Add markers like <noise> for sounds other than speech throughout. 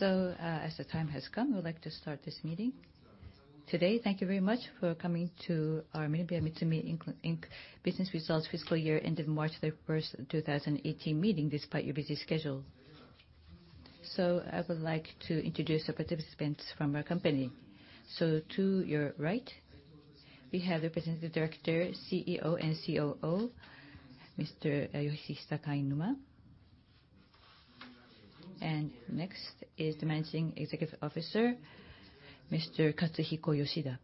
As the time has come, we would like to start this meeting. Today, thank you very much for coming to our MinebeaMitsumi Inc. business results fiscal year end of March 31, 2018 meeting, despite your busy schedule. I would like to introduce a couple participants from our company. To your right, we have the Representative Director, CEO, and COO, Mr. Yoshihisa Kainuma. Next is the Managing Executive Officer, Mr. Katsuhiko Yoshida.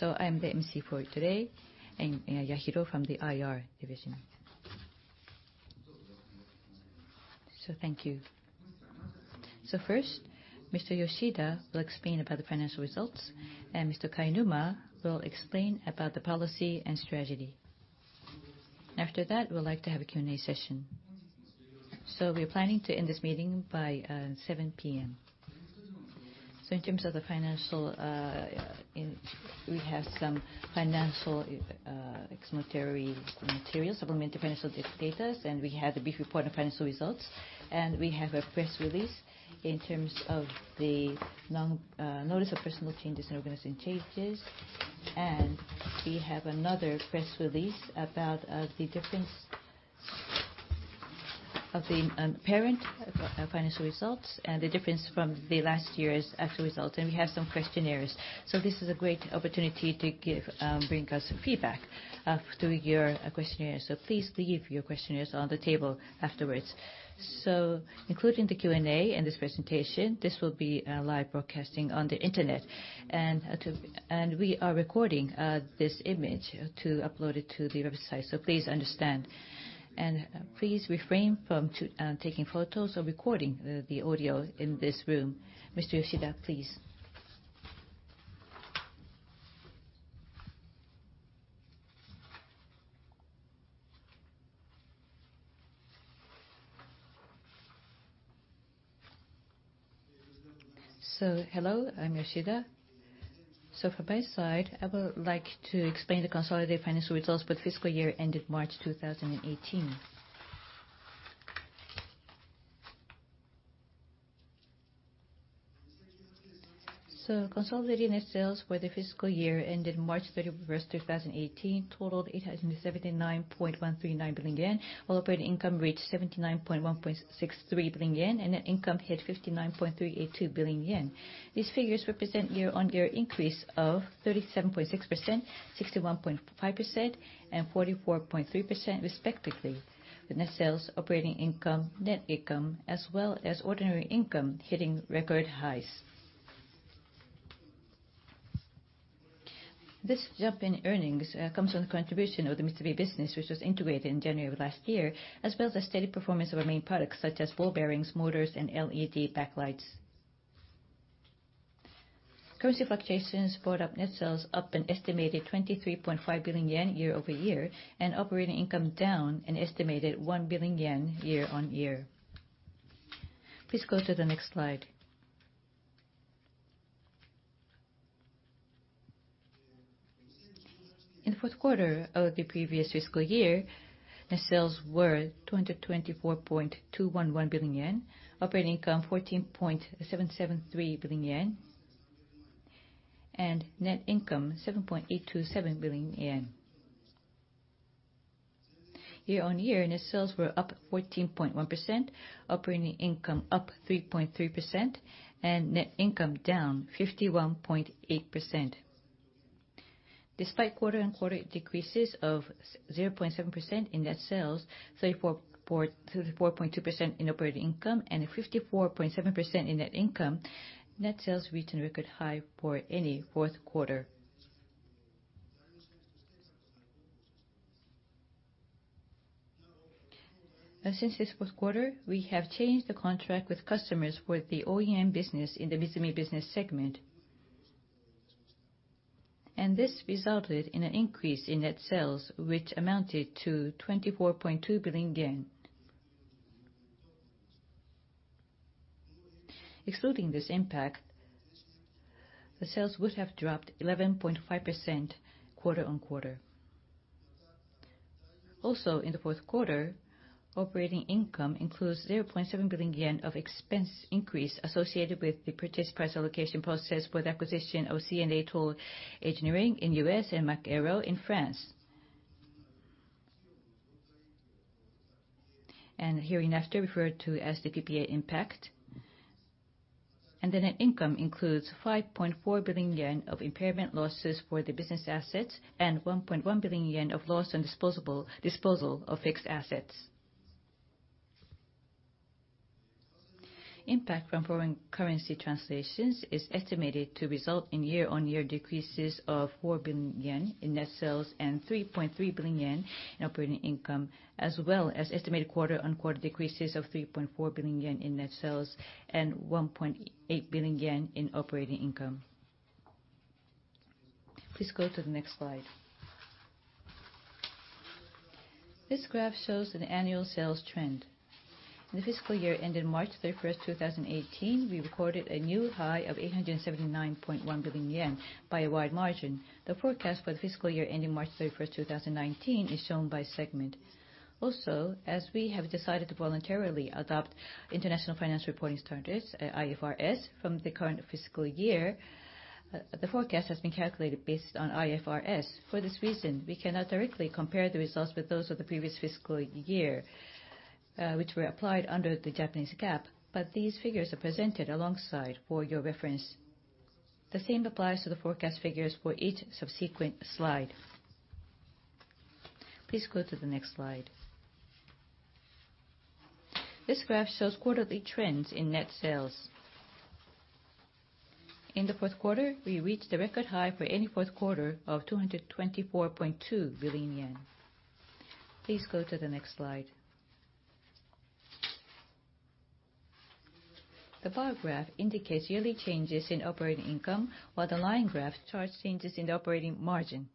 I am the MC for today, and Yahiro from the IR division. Thank you. First, Mr. Yoshida will explain about the financial results, and Mr. Kainuma will explain about the policy and strategy. After that, we would like to have a Q&A session. We are planning to end this meeting by 7:00 P.M. In terms of the financial, we have some financial explanatory materials, supplementary financial data, and we have the brief report of financial results. We have a press release in terms of the notice of personal changes and organizing changes. We have another press release about the difference of the parent financial results and the difference from the last year's actual results, and we have some questionnaires. This is a great opportunity to bring us some feedback through your questionnaire. Please leave your questionnaires on the table afterwards. Including the Q&A and this presentation, this will be live broadcasting on the internet. We are recording this image to upload it to the website. Please understand. Please refrain from taking photos or recording the audio in this room. Mr. Yoshida, please. Hello, I am Yoshida. From my side, I would like to explain the consolidated financial results for the fiscal year ended March 2018. Consolidated net sales for the fiscal year ended March 31, 2018 totaled 879.139 billion yen, while operating income reached 79.63 billion yen, and net income hit 59.382 billion yen. These figures represent year-on-year increase of 37.6%, 61.5%, and 44.3% respectively, with net sales, operating income, net income, as well as ordinary income hitting record highs. This jump in earnings comes from the contribution of the MITSUMI business, which was integrated in January of last year, as well as the steady performance of our main products, such as ball bearings, motors, and LED backlights. Currency fluctuations brought up net sales up an estimated 23.5 billion yen year-over-year, and operating income down an estimated 1 billion yen year-on-year. Please go to the next slide. In the fourth quarter of the previous fiscal year, net sales were 224.211 billion yen, operating income 14.773 billion yen, and net income 7.827 billion yen. Year-on-year, net sales were up 14.1%, operating income up 3.3%, and net income down 51.8%. Despite quarter-on-quarter decreases of 0.7% in net sales, 34.2% in operating income, and 54.7% in net income, net sales reached a record high for any fourth quarter. Since this fourth quarter, we have changed the contract with customers for the OEM business in the MITSUMI business segment, and this resulted in an increase in net sales, which amounted to 24.2 billion yen. Excluding this impact, the sales would have dropped 11.5% quarter-on-quarter. In the fourth quarter, operating income includes 0.7 billion yen of expense increase associated with the purchase price allocation process for the acquisition of C&A Tool Engineering in the U.S. and Mach Aero in France, and hereinafter referred to as the PPA impact. The net income includes 5.4 billion yen of impairment losses for the business assets and 1.1 billion yen of loss on disposal of fixed assets. Impact from foreign currency translations is estimated to result in year-on-year decreases of 4 billion yen in net sales and 3.3 billion yen in operating income, as well as estimated quarter-on-quarter decreases of 3.4 billion yen in net sales and 1.8 billion yen in operating income. Please go to the next slide. This graph shows an annual sales trend. In the fiscal year ended March 31, 2018, we recorded a new high of 879.1 billion yen by a wide margin. The forecast for the fiscal year ending March 31, 2019 is shown by segment. As we have decided to voluntarily adopt International Financial Reporting Standards, IFRS, from the current fiscal year, the forecast has been calculated based on IFRS. For this reason, we cannot directly compare the results with those of the previous fiscal year, which were applied under the Japanese GAAP, but these figures are presented alongside for your reference. The same applies to the forecast figures for each subsequent slide. Please go to the next slide. This graph shows quarterly trends in net sales. In the fourth quarter, we reached a record high for any fourth quarter of 224.2 billion yen. Please go to the next slide. The bar graph indicates yearly changes in operating income, while the line graph charts changes in the operating margin.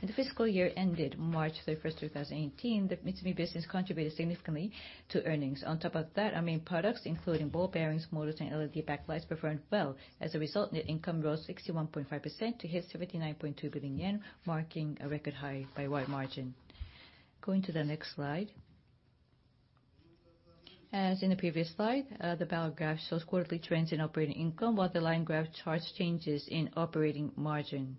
In the fiscal year ended March 31, 2018, the MITSUMI business contributed significantly to earnings. On top of that, our main products, including ball bearings, motors, and LED backlights performed well. As a result, operating income rose 61.5% to hit 79.6 billion yen, marking a record high by a wide margin. Going to the next slide. As in the previous slide, the bar graph shows quarterly trends in operating income, while the line graph charts changes in operating margin.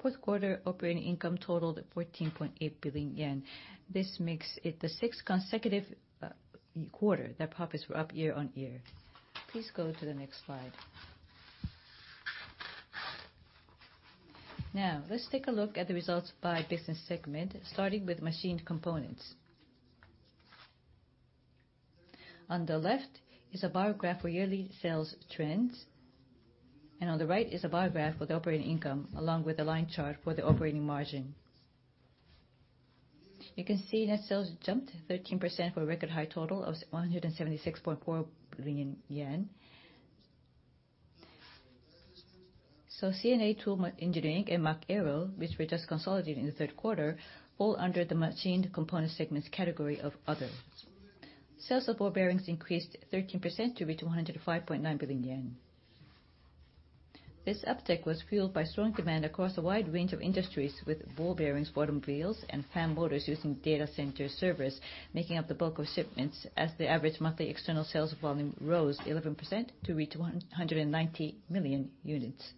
Fourth quarter operating income totaled 14.8 billion yen. This makes it the sixth consecutive quarter that profits were up year-on-year. Please go to the next slide. Let's take a look at the results by business segment, starting with machined components. On the left is a bar graph for yearly sales trends, and on the right is a bar graph for the operating income, along with a line chart for the operating margin. You can see net sales jumped 13% for a record high total of 176.4 billion yen. C&A Tool Engineering and Mach Aero, which were just consolidated in the third quarter, fall under the machined components segments category of other. Sales of ball bearings increased 13% to reach 105.9 billion yen. This uptick was fueled by strong demand across a wide range of industries, with ball bearings for automobiles and fan motors using data center servers making up the bulk of shipments as the average monthly external sales volume rose 11% to reach 190 million units.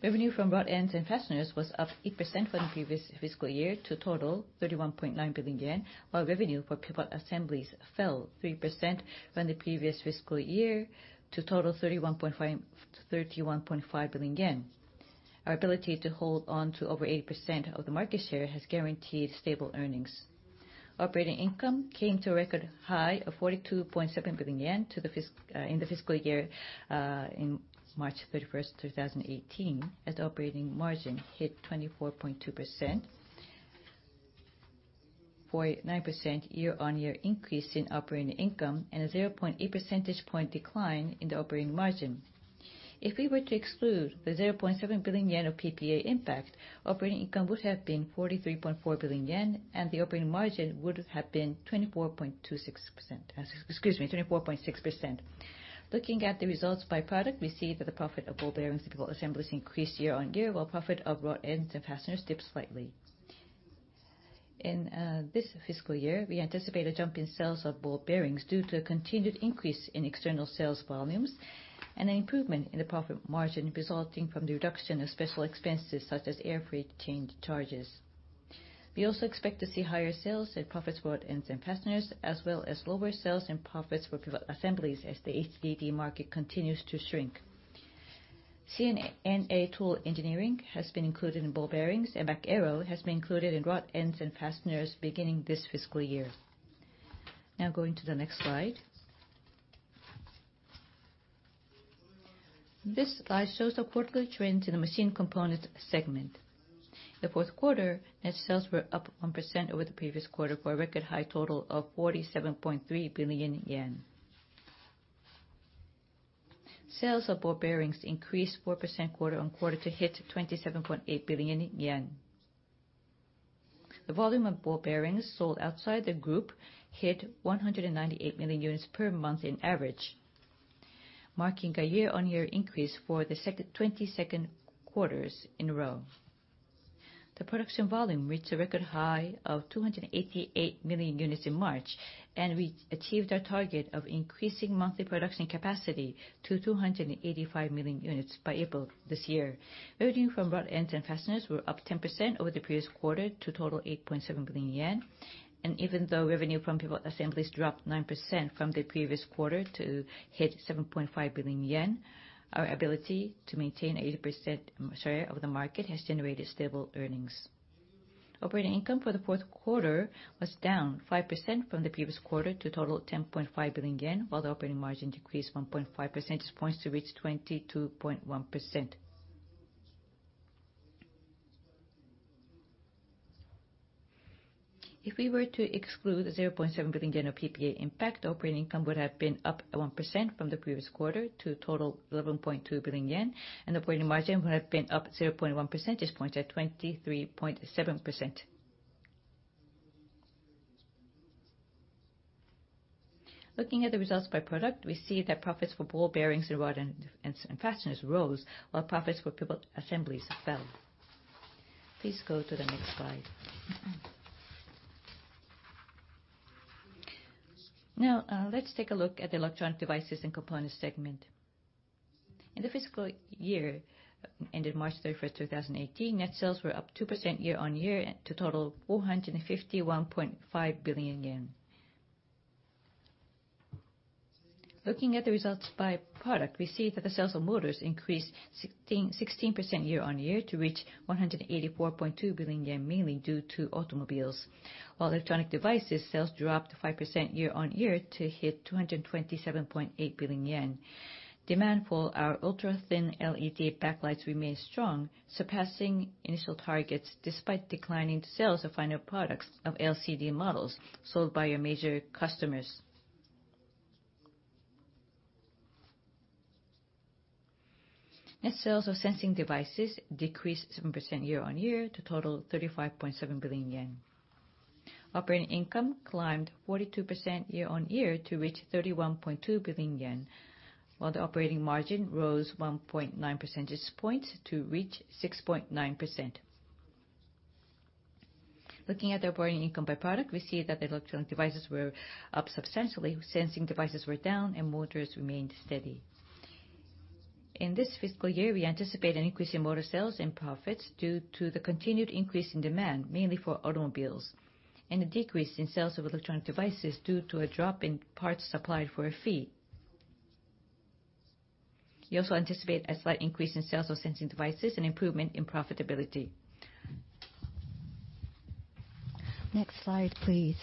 Revenue from rod ends and fasteners was up 8% from the previous fiscal year to a total 31.9 billion yen, while revenue for pivot assemblies fell 3% from the previous fiscal year to a total 31.5 billion yen. Our ability to hold on to over 80% of the market share has guaranteed stable earnings. Operating income came to a record high of 42.7 billion yen in the fiscal year in March 31st, 2018, as operating margin hit 24.2%, 49% year-on-year increase in operating income, and a 0.8 percentage point decline in the operating margin. If we were to exclude the 0.7 billion yen of PPA impact, operating income would have been 43.4 billion yen, and the operating margin would have been 24.26%. Excuse me, 24.6%. Looking at the results by product, we see that the profit of ball bearings and pivot assemblies increased year-on-year, while profit of rod ends and fasteners dipped slightly. In this fiscal year, we anticipate a jump in sales of ball bearings due to a continued increase in external sales volumes and an improvement in the profit margin resulting from the reduction of special expenses such as air freight change charges. We also expect to see higher sales and profits for rod ends and fasteners, as well as lower sales and profits for pivot assemblies as the HDD market continues to shrink. C&A Tool Engineering has been included in ball bearings, and Mach Aero has been included in rod ends and fasteners beginning this fiscal year. Going to the next slide. This slide shows the quarterly trend in the machine components segment. In the fourth quarter, net sales were up 1% over the previous quarter for a record high total of 47.3 billion yen. Sales of ball bearings increased 4% quarter-on-quarter to hit 27.8 billion yen. The volume of ball bearings sold outside the group hit 198 million units per month on average, marking a year-on-year increase for the 22nd quarter in a row. The production volume reached a record high of 288 million units in March. We achieved our target of increasing monthly production capacity to 285 million units by April this year. Revenue from rod ends and fasteners were up 10% over the previous quarter to a total of 8.7 billion yen. Even though revenue from pivot assemblies dropped 9% from the previous quarter to hit 7.5 billion yen, our ability to maintain 80% share of the market has generated stable earnings. Operating income for the fourth quarter was down 5% from the previous quarter to a total of 10.5 billion yen, while the operating margin decreased 1.5 percentage points to reach 22.1%. If we were to exclude the 0.7 billion yen of PPA impact, operating income would have been up 1% from the previous quarter to a total 11.2 billion yen, and operating margin would have been up 0.1 percentage points at 23.7%. Looking at the results by product, we see that profits for ball bearings and fasteners rose, while profits for pivot assemblies fell. Please go to the next slide. Let's take a look at the electronic devices and components segment. In the fiscal year ended March 31st, 2018, net sales were up 2% year-on-year to total JPY 451.5 billion. Looking at the results by product, we see that the sales of motors increased 16% year-on-year to reach 184.2 billion yen, mainly due to automobiles. Electronic devices sales dropped 5% year-on-year to hit 227.8 billion yen. Demand for our ultra-thin LED backlights remained strong, surpassing initial targets despite declining sales of final products of LCD models sold by our major customers. Net sales of sensing devices decreased 7% year-on-year to total 35.7 billion yen. Operating income climbed 42% year-on-year to reach 31.2 billion yen, while the operating margin rose 1.9 percentage points to reach 6.9%. Looking at the operating income by product, we see that electronic devices were up substantially, sensing devices were down, and motors remained steady. In this fiscal year, we anticipate an increase in motor sales and profits due to the continued increase in demand, mainly for automobiles, and a decrease in sales of electronic devices due to a drop in parts supplied for a fee. We also anticipate a slight increase in sales of sensing devices and improvement in profitability. Next slide, please.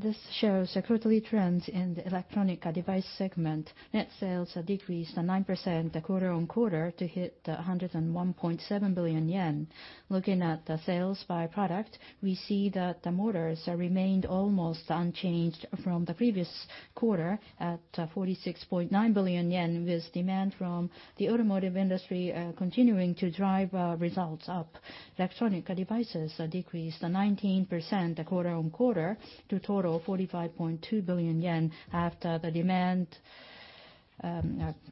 This shows the quarterly trends in the electronic device segment. Net sales decreased 9% quarter-on-quarter to hit 101.7 billion yen. Looking at the sales by product, we see that motors remained almost unchanged from the previous quarter at 46.9 billion yen, with demand from the automotive industry continuing to drive results up. Electronic devices decreased 19% quarter-on-quarter to total 45.2 billion yen after the demand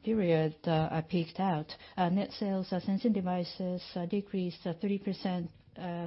period peaked out. Net sales of sensing devices decreased 3%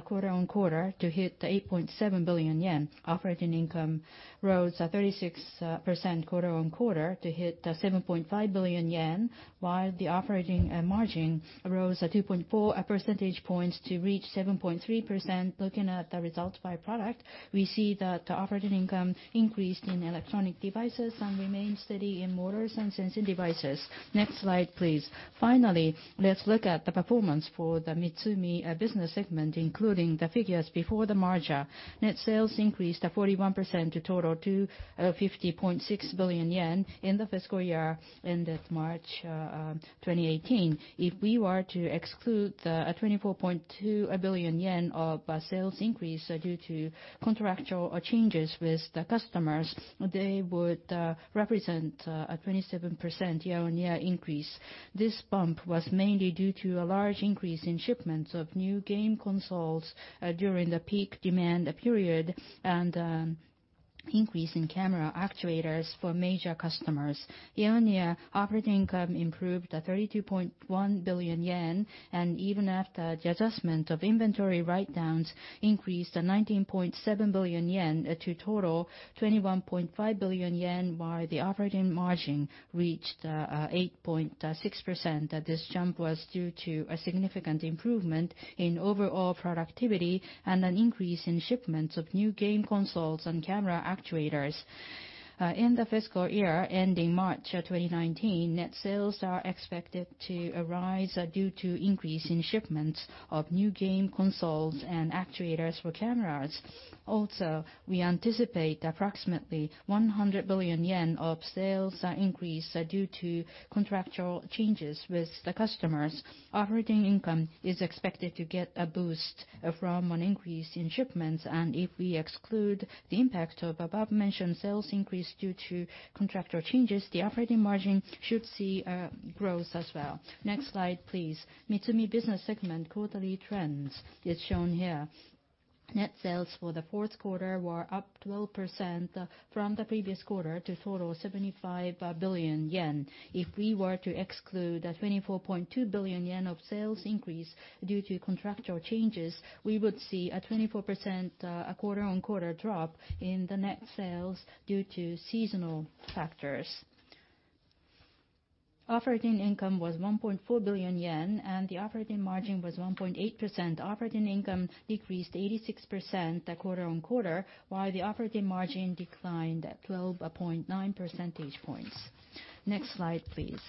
quarter-on-quarter to hit 8.7 billion yen. Operating income rose 36% quarter-on-quarter to hit 7.5 billion yen, while the operating margin rose 2.4 percentage points to reach 7.3%. Looking at the results by product, we see that the operating income increased in electronic devices and remained steady in motors and sensing devices. Next slide, please. Finally, let's look at the performance for the MITSUMI business segment, including the figures before the merger. Net sales increased 41% to total 250.6 billion yen in the fiscal year ended March 2018. If we were to exclude the 24.2 billion yen of sales increase due to contractual changes with the customers, they would represent a 27% year-on-year increase. This bump was mainly due to a large increase in shipments of new game consoles during the peak demand period and an increase in camera actuators for major customers. Year-on-year operating income improved to 32.1 billion yen, and even after the adjustment of inventory write-downs increased to 19.7 billion yen to total 21.5 billion yen, while the operating margin reached 8.6%. This jump was due to a significant improvement in overall productivity and an increase in shipments of new game consoles and camera actuators. In the fiscal year ending March 2019, net sales are expected to rise due to increase in shipments of new game consoles and actuators for cameras. We anticipate approximately 100 billion yen of sales increase due to contractual changes with the customers. Operating income is expected to get a boost from an increase in shipments, and if we exclude the impact of above-mentioned sales increase due to contractual changes, the operating margin should see a growth as well. Next slide, please. MITSUMI business segment quarterly trends is shown here. Net sales for the fourth quarter were up 12% from the previous quarter to total 75 billion yen. If we were to exclude 24.2 billion yen of sales increase due to contractual changes, we would see a 24% quarter-on-quarter drop in the net sales due to seasonal factors. Operating income was 1.4 billion yen, and the operating margin was 1.8%. Operating income decreased 86% quarter-on-quarter, while the operating margin declined 12.9 percentage points. Next slide, please.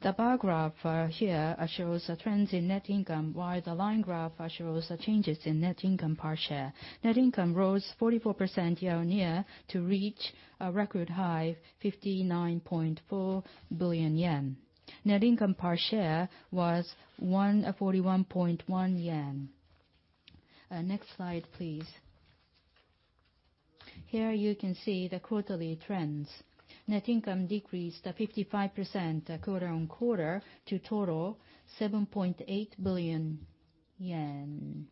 The bar graph here shows the trends in net income, while the line graph shows the changes in net income per share. Net income rose 44% year-on-year to reach a record high 59.4 billion yen. Net income per share was 41.1 yen. Next slide, please. Here you can see the quarterly trends. Net income decreased 55% quarter-on-quarter to total 7.8 billion yen.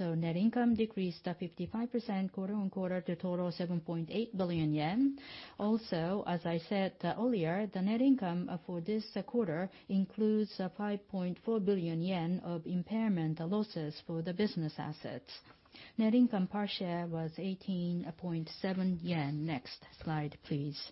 Net income decreased 55% quarter-on-quarter to total 7.8 billion yen. Also, as I said earlier, the net income for this quarter includes 5.4 billion yen of impairment losses for the business assets. Net income per share was 18.7 yen. Next slide, please.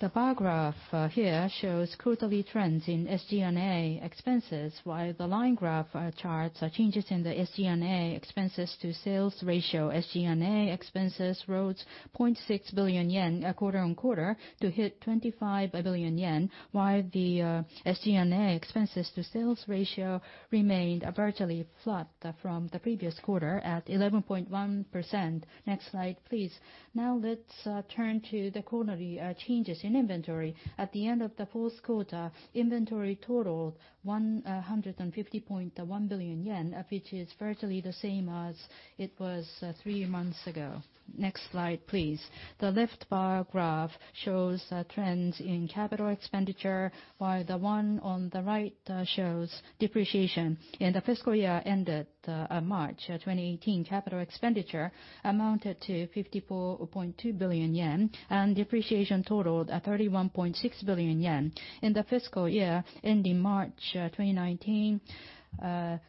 The bar graph here shows quarterly trends in SG&A expenses, while the line graph charts changes in the SG&A expenses to sales ratio. SG&A expenses rose 0.6 billion yen quarter-on-quarter to hit 25 billion yen, while the SG&A expenses to sales ratio remained virtually flat from the previous quarter at 11.1%. Next slide, please. Let's turn to the quarterly changes in inventory. At the end of the fourth quarter, inventory totaled 150.1 billion yen, which is virtually the same as it was three months ago. Next slide, please. The left bar graph shows trends in capital expenditure, while the one on the right shows depreciation. In the fiscal year ended March 2018, capital expenditure amounted to 54.2 billion yen, and depreciation totaled 31.6 billion yen. In the fiscal year ending March 2019,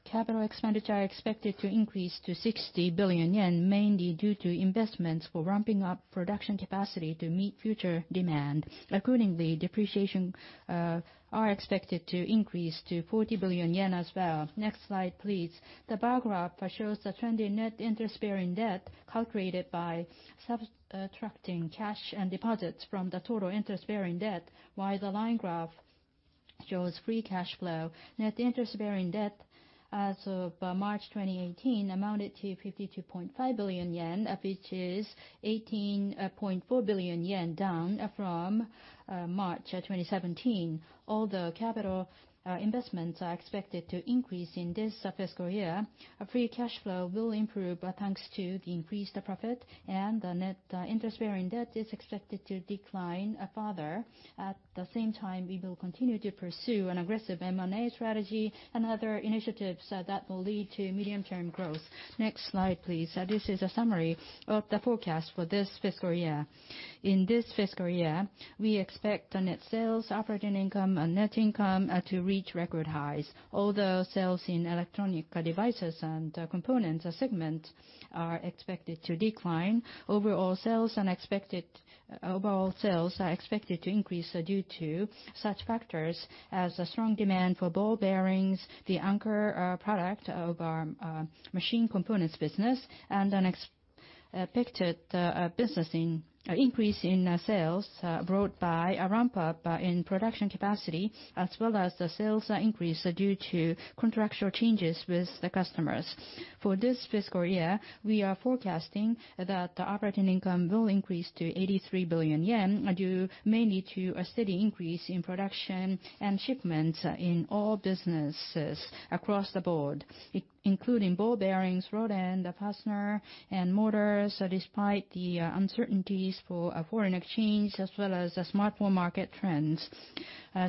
capital expenditure is expected to increase to 60 billion yen, mainly due to investments for ramping up production capacity to meet future demand. Accordingly, depreciation is expected to increase to 40 billion yen as well. Next slide, please. The bar graph shows the trend in net interest-bearing debt, calculated by subtracting cash and deposits from the total interest-bearing debt, while the line graph shows free cash flow. Net interest-bearing debt as of March 2018 amounted to 52.5 billion yen, which is 18.4 billion yen down from March 2017. Although capital investments are expected to increase in this fiscal year, free cash flow will improve thanks to the increased profit, and the net interest-bearing debt is expected to decline further. At the same time, we will continue to pursue an aggressive M&A strategy and other initiatives that will lead to medium-term growth. Next slide, please. This is a summary of the forecast for this fiscal year. In this fiscal year, we expect net sales, operating income, and net income to reach record highs. Although sales in electronic devices and components segment are expected to decline, overall sales are expected to increase due to such factors as strong demand for ball bearings, the anchor product of our machine components business, and an expected increase in sales brought by a ramp-up in production capacity, as well as the sales increase due to contractual changes with the customers. For this fiscal year, we are forecasting that operating income will increase to 83 billion yen, due mainly to a steady increase in production and shipments in all businesses across the board, including ball bearings, rod ends, fasteners, and motors, despite the uncertainties for foreign exchange as well as smartphone market trends.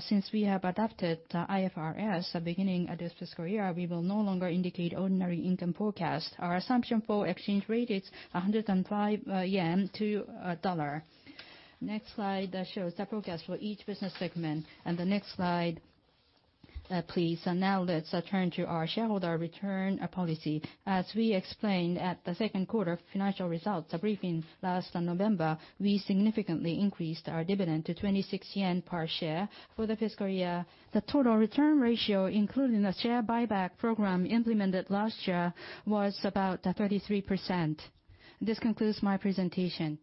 Since we have adopted IFRS at the beginning of this fiscal year, we will no longer indicate ordinary income forecasts. Our assumption for exchange rate is 105 yen to a USD. Next slide shows the forecast for each business segment. Next slide, please. Now let's turn to our shareholder return policy. As we explained at the second quarter financial results briefing last November, we significantly increased our dividend to 26 yen per share. For the fiscal year, the total return ratio, including the share buyback program implemented last year, was about 33%. This concludes my presentation.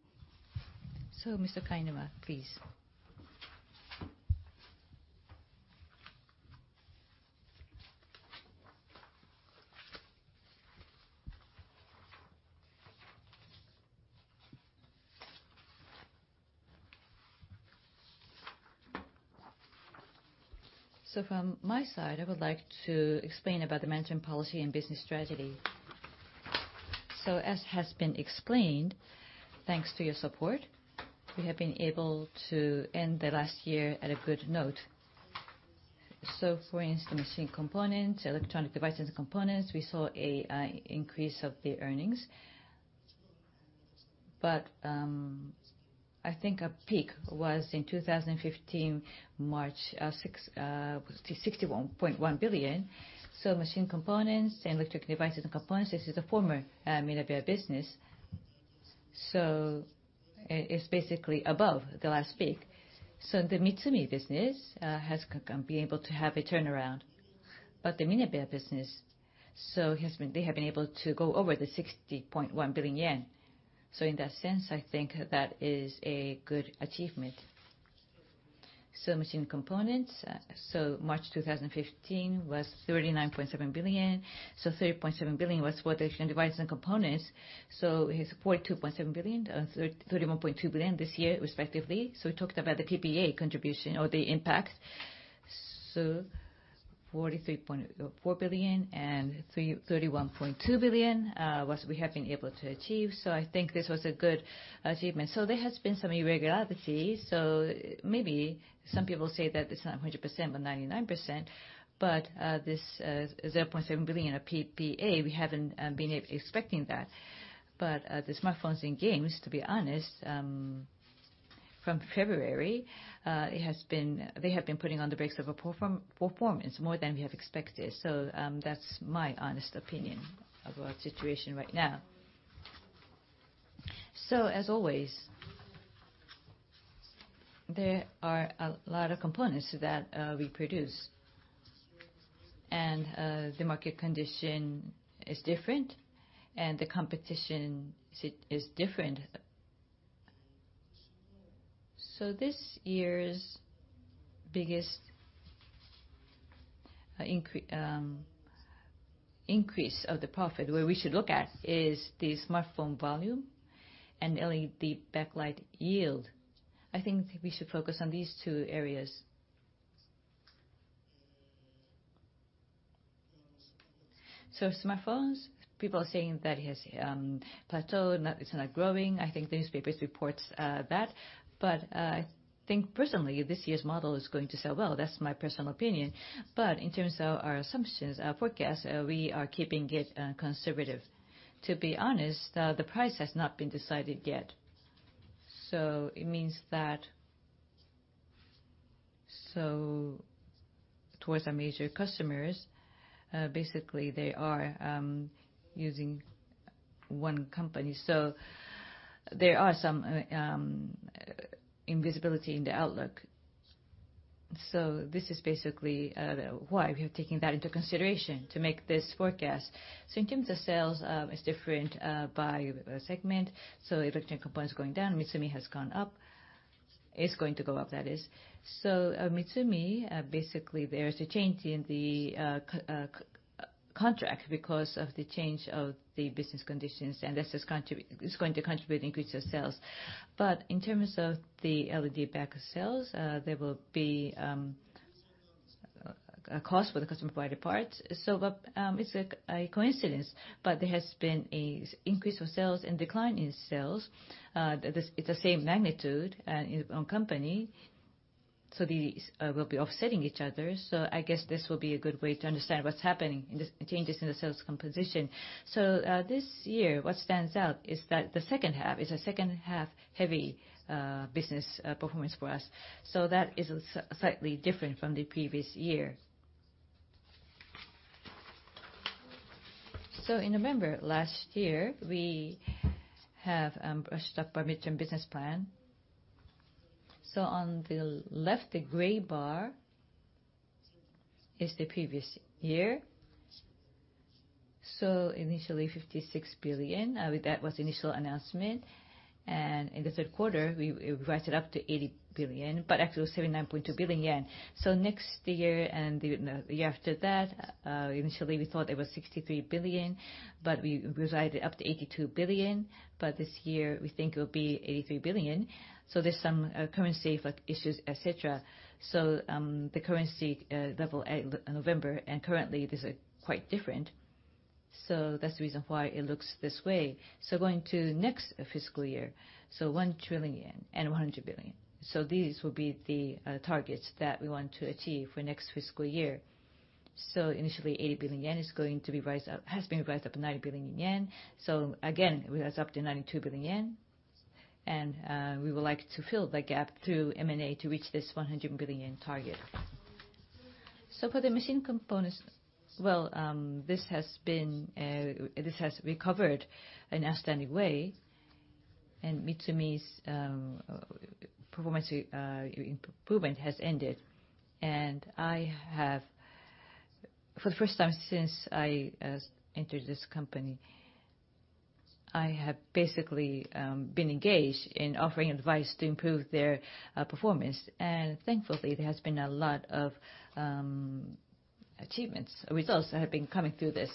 Mr. Kainuma, please. From my side, I would like to explain about the management policy and business strategy. As has been explained, thanks to your support, we have been able to end the last year at a good note. For instance, machine components, electronic devices and components, we saw an increase of the earnings. But I think our peak was in 2015, March 6, was 61.1 billion. Machine components and electronic devices and components, this is the former Minebea business. It's basically above the last peak. The MITSUMI business has been able to have a turnaround. But the Minebea business, they have been able to go over the 60.1 billion yen. In that sense, I think that is a good achievement. Machine components, March 2015 was 39.7 billion. 30.7 billion was for the electronic devices and components. It was 42.7 billion, 31.2 billion this year, respectively. We talked about the PPA contribution or the impact. 43.4 billion and 31.2 billion, was we have been able to achieve. I think this was a good achievement. There has been some irregularity, maybe some people say that it's not 100%, but 99%. This 0.7 billion PPA, we haven't been expecting that. The smartphones and games, to be honest, from February, they have been putting on the brakes of a poor performance, more than we have expected. That's my honest opinion of our situation right now. As always, there are a lot of components that we produce. The market condition is different and the competition is different. This year's biggest increase of the profit, where we should look at, is the smartphone volume and LED backlights yield. I think we should focus on these two areas. Smartphones, people are saying that it has plateaued, it's not growing. I think the newspapers report that. I think personally, this year's model is going to sell well. That's my personal opinion. In terms of our assumptions, our forecast, we are keeping it conservative. To be honest, the price has not been decided yet. It means that towards our major customers, basically they are using one company. There are some uncertainty in the outlook. This is basically why we are taking that into consideration to make this forecast. In terms of sales is different by segment. Electric components going down, MITSUMI has gone up. Is going to go up, that is. MITSUMI, basically there is a change in the contract because of the change of the business conditions, and this is going to contribute increase of sales. In terms of the LED backlight sales, there will be a cost for the customer provided parts. It's a coincidence, but there has been an increase of sales and decline in sales. It's the same magnitude on company. These will be offsetting each other. I guess this will be a good way to understand what's happening in the changes in the sales composition. This year, what stands out is that the second half is a second-half heavy business performance for us. That is slightly different from the previous year. In November last year, we have brushed up our medium business plan. On the left, the gray bar is the previous year. Initially 56 billion, that was the initial announcement. In the third quarter, we revised it up to 80 billion, but actually it was 89.2 billion yen. Next year and the year after that, initially we thought it was 63 billion, but we revised it up to 82 billion. This year we think it will be 83 billion. There's some currency issues, et cetera. The currency level in November and currently, these are quite different. That's the reason why it looks this way. Going to next fiscal year. 1 trillion yen and 100 billion. These will be the targets that we want to achieve for next fiscal year. Initially 80 billion yen has been revised up to 90 billion yen. Again, we revised up to 92 billion yen, and we would like to fill the gap through M&A to reach this 100 billion yen target. For the machine components, well, this has recovered in outstanding way, and MITSUMI's improvement has ended. For the first time since I entered this company, I have basically been engaged in offering advice to improve their performance. Thankfully, there has been a lot of achievements, results that have been coming through this.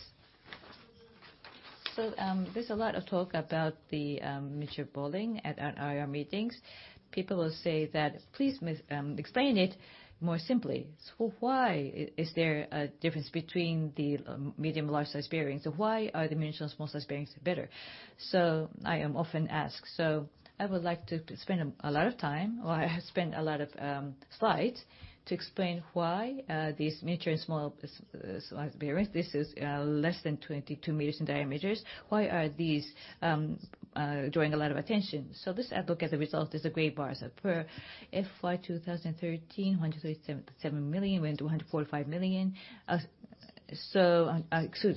There's a lot of talk about the miniature ball bearing at our IR meetings. People will say that, "Please explain it more simply." Why is there a difference between the medium and large size bearings? Why are the miniature and small size bearings better? I am often asked. I would like to spend a lot of time, or I have spent a lot of slides to explain why these miniature and small size bearings, this is less than 22 millimeters in diameters. Why are these drawing a lot of attention? Let's look at the results. There's the gray bars. Per FY 2013, JPY 137 million went to JPY 145 million. Excuse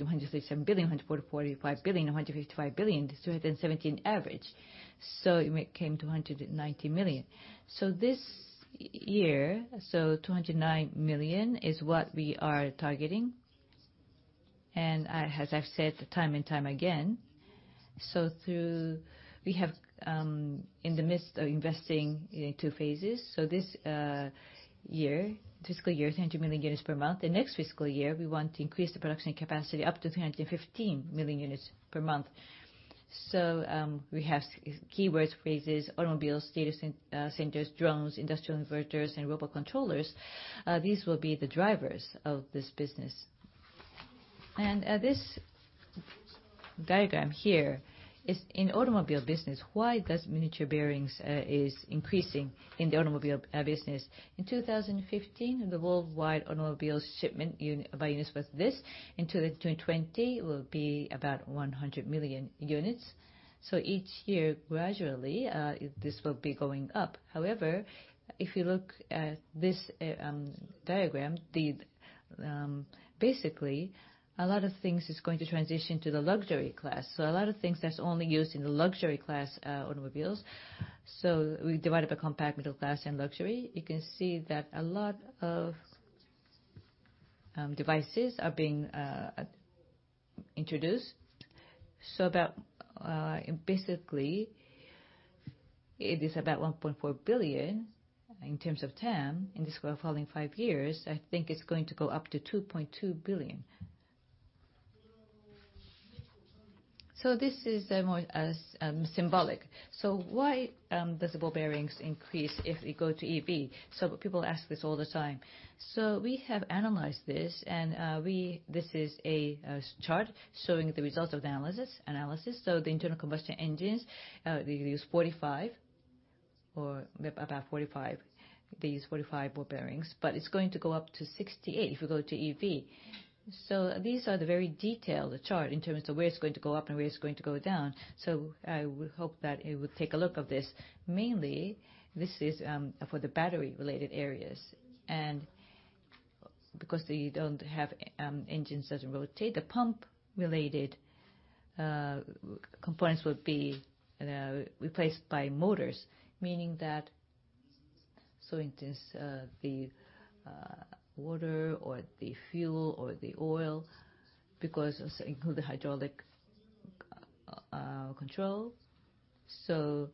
me, JPY 137 billion, JPY 145 billion, and JPY 155 billion. This is 2017 average. It came to 190 million units. This year, 209 million is what we are targeting. As I've said time and time again, we have in the midst of investing in two phases. This fiscal year, 200 million units per month. The next fiscal year, we want to increase the production capacity up to 315 million units per month. We have keywords, phrases, automobiles, data centers, drones, industrial inverters, and robot controllers. These will be the drivers of this business. This diagram here is in automobile business. Why does miniature bearings is increasing in the automobile business? In 2015, the worldwide automobile shipment by units was this. In 2020, it will be about 100 million units. Each year, gradually, this will be going up. However, if you look at this diagram, basically, a lot of things is going to transition to the luxury class. A lot of things that's only used in the luxury class automobiles. We divided the compact, middle class, and luxury. You can see that a lot of devices are being introduced. Basically, it is about 1.4 billion in terms of TAM. In this following five years, I think it's going to go up to 2.2 billion. This is more as symbolic. Why does ball bearings increase if we go to EV? People ask this all the time. We have analyzed this, and this is a chart showing the results of the analysis. The internal combustion engines, they use 45, or about 45. They use 45 ball bearings. It's going to go up to 68 if we go to EV. These are the very detailed chart in terms of where it's going to go up and where it's going to go down. I would hope that it would take a look of this. Mainly, this is for the battery-related areas. Because they don't have engines, doesn't rotate, the pump-related components would be replaced by motors, meaning that the water or the fuel or the oil, because including the hydraulic control. For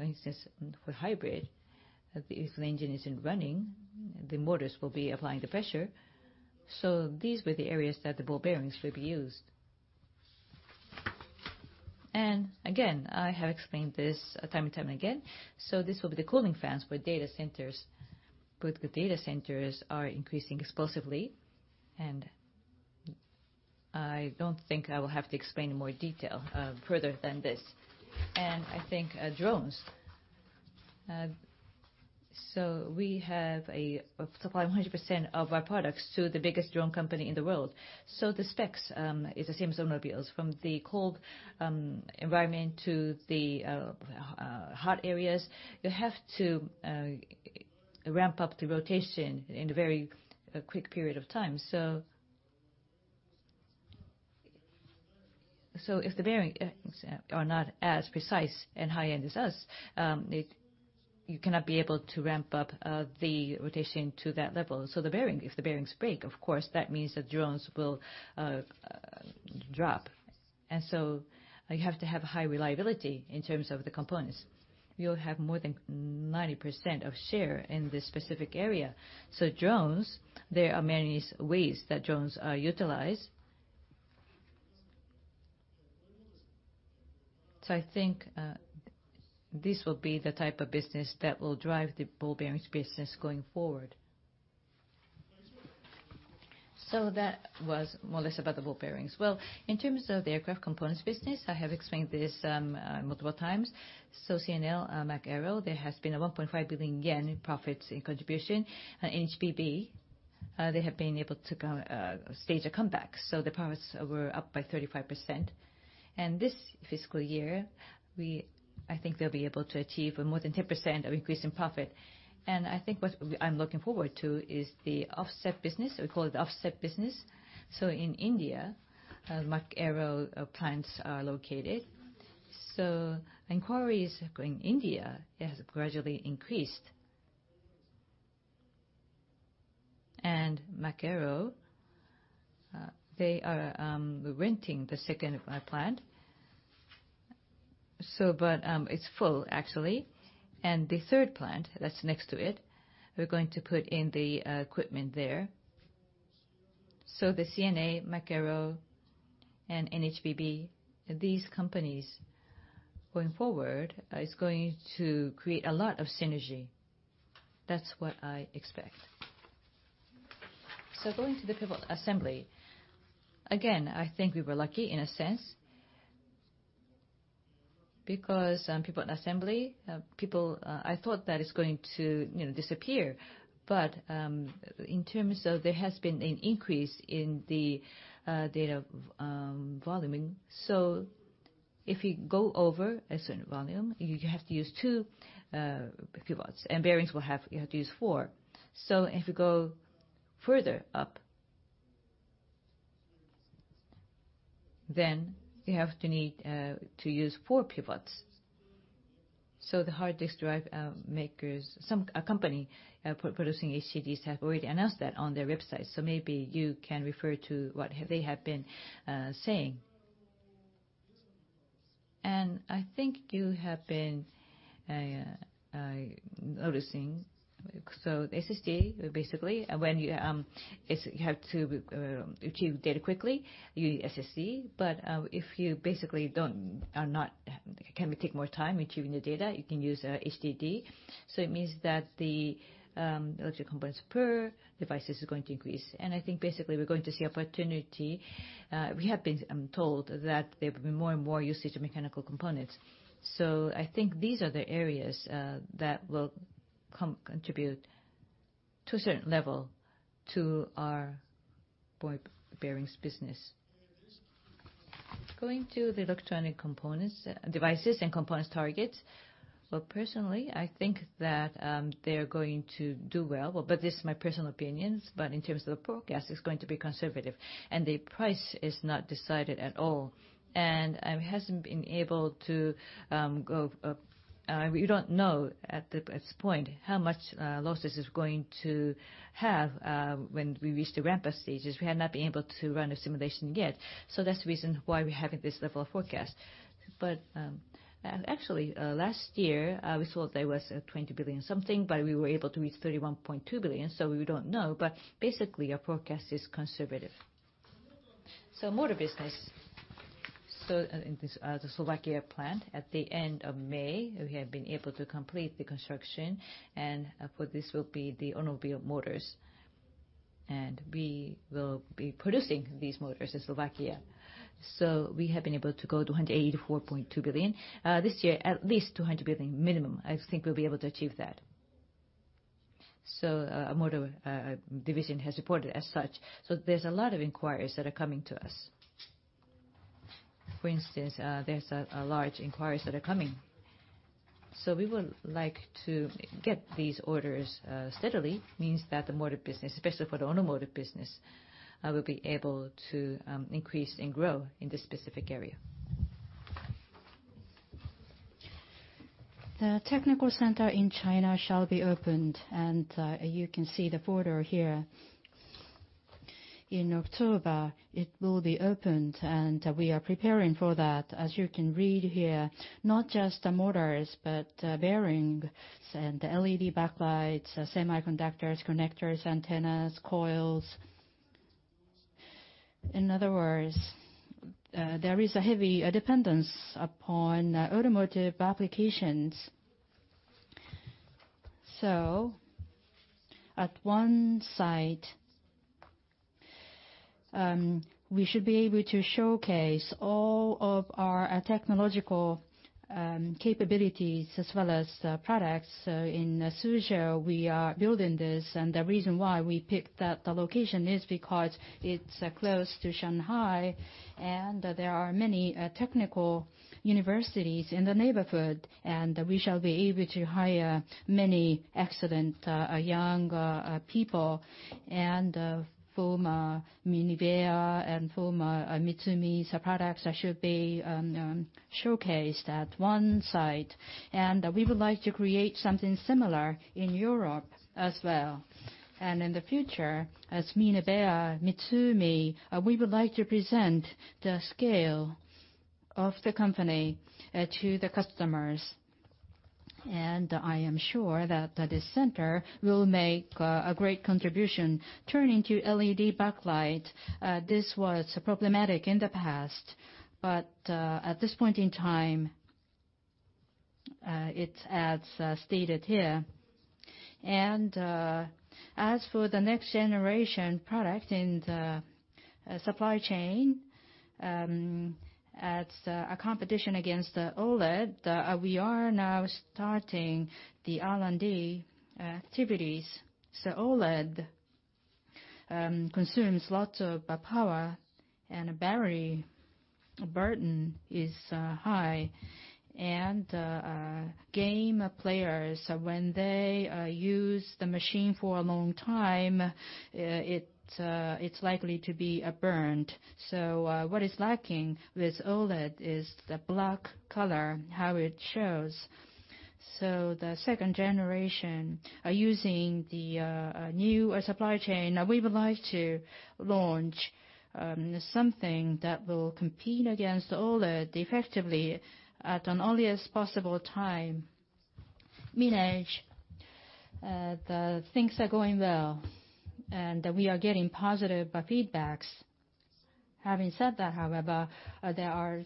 instance, for hybrid, if the engine isn't running, the motors will be applying the pressure. These were the areas that the ball bearings will be used. Again, I have explained this time and time again. This will be the cooling fans for data centers. The data centers are increasing explosively, and I don't think I will have to explain in more detail further than this. I think drones. We have a supply 100% of our products to the biggest drone company in the world. The specs is the same as automobiles. From the cold environment to the hot areas, you have to ramp up the rotation in a very quick period of time. If the bearings are not as precise and high-end as us, you cannot be able to ramp up the rotation to that level. If the bearings break, of course, that means the drones will drop. You have to have high reliability in terms of the components. You'll have more than 90% of share in this specific area. Drones, there are many ways that drones are utilized. I think this will be the type of business that will drive the ball bearings business going forward. That was more or less about the ball bearings. Well, in terms of the aircraft components business, I have explained this multiple times. C&A, Mach Aero, there has been a 1.5 billion yen profits in contribution. NHBB, they have been able to stage a comeback. The profits were up by 35%. This fiscal year, I think they'll be able to achieve a more than 10% of increase in profit. I think what I'm looking forward to is the offset business. We call it the offset business. In India, Mach Aero plants are located. Inquiries in India has gradually increased. Mach Aero, they are renting the second plant. It's full, actually. The third plant that's next to it, we're going to put in the equipment there. The C&A, Mach Aero, and NHBB, these companies, going forward, is going to create a lot of synergy. That's what I expect. Going to the pivot assembly. Again, I think we were lucky in a sense. Pivot assembly, I thought that it's going to disappear. In terms of there has been an increase in the data volume. If you go over a certain volume, you have to use two pivots, and bearings, you have to use four. If you go further up, you have to need to use four pivots. The hard disk drive makers, a company producing HDDs have already announced that on their website. Maybe you can refer to what they have been saying. I think you have been noticing. SSD, basically, when you have to retrieve data quickly, you need SSD. If you basically can take more time retrieving the data, you can use HDD. It means that the electronic components per device is going to increase. I think basically we're going to see opportunity. We have been told that there will be more and more usage of mechanical components. I think these are the areas that will contribute to a certain level to our bearings business. Going to the electronic devices and components targets. Personally, I think that they're going to do well, this is my personal opinion. In terms of the forecast, it's going to be conservative, the price is not decided at all, we don't know at this point how much losses it's going to have when we reach the ramp-up stages. We have not been able to run a simulation yet. That's the reason why we're having this level of forecast. Actually, last year, we thought there was 20 billion something, we were able to reach 31.2 billion, we don't know. Basically, our forecast is conservative. Motor business. In the Slovakia plant, at the end of May, we have been able to complete the construction, for this will be the automobile motors. We will be producing these motors in Slovakia. We have been able to go 284.2 billion. This year, at least 200 billion minimum. I think we'll be able to achieve that. Our motor division has reported as such. There's a lot of inquiries that are coming to us. For instance, there's large inquiries that are coming. We would like to get these orders steadily, means that the motor business, especially for the automotive business, will be able to increase and grow in this specific area. The technical center in China shall be opened. You can see the photo here. In October, it will be opened. We are preparing for that. As you can read here, not just the motors, but bearings, LED backlights, semiconductors, connectors, antennas, coils. In other words, there is a heavy dependence upon automotive applications. At one site, we should be able to showcase all of our technological capabilities as well as products. In Suzhou, we are building this. The reason why we picked that location is because it's close to Shanghai. There are many technical universities in the neighborhood. We shall be able to hire many excellent young people. For MINEBEA and for MITSUMI products, should be showcased at one site. We would like to create something similar in Europe as well. In the future, as MINEBEA MITSUMI, we would like to present the scale of the company to the customers. I am sure that this center will make a great contribution. Turning to LED backlight, this was problematic in the past, but at this point in time, it's as stated here. As for the next generation product in the supply chain, it's a competition against OLED. We are now starting the R&D activities. OLED consumes lots of power. Battery burden is high. Game players, when they use the machine for a long time, it's likely to be burned. What is lacking with OLED is the black color, how it shows. The second generation are using the new supply chain. We would like to launch something that will compete against OLED effectively at an earliest possible time. MINEGE™, things are going well. We are getting positive feedbacks. Having said that, however, there are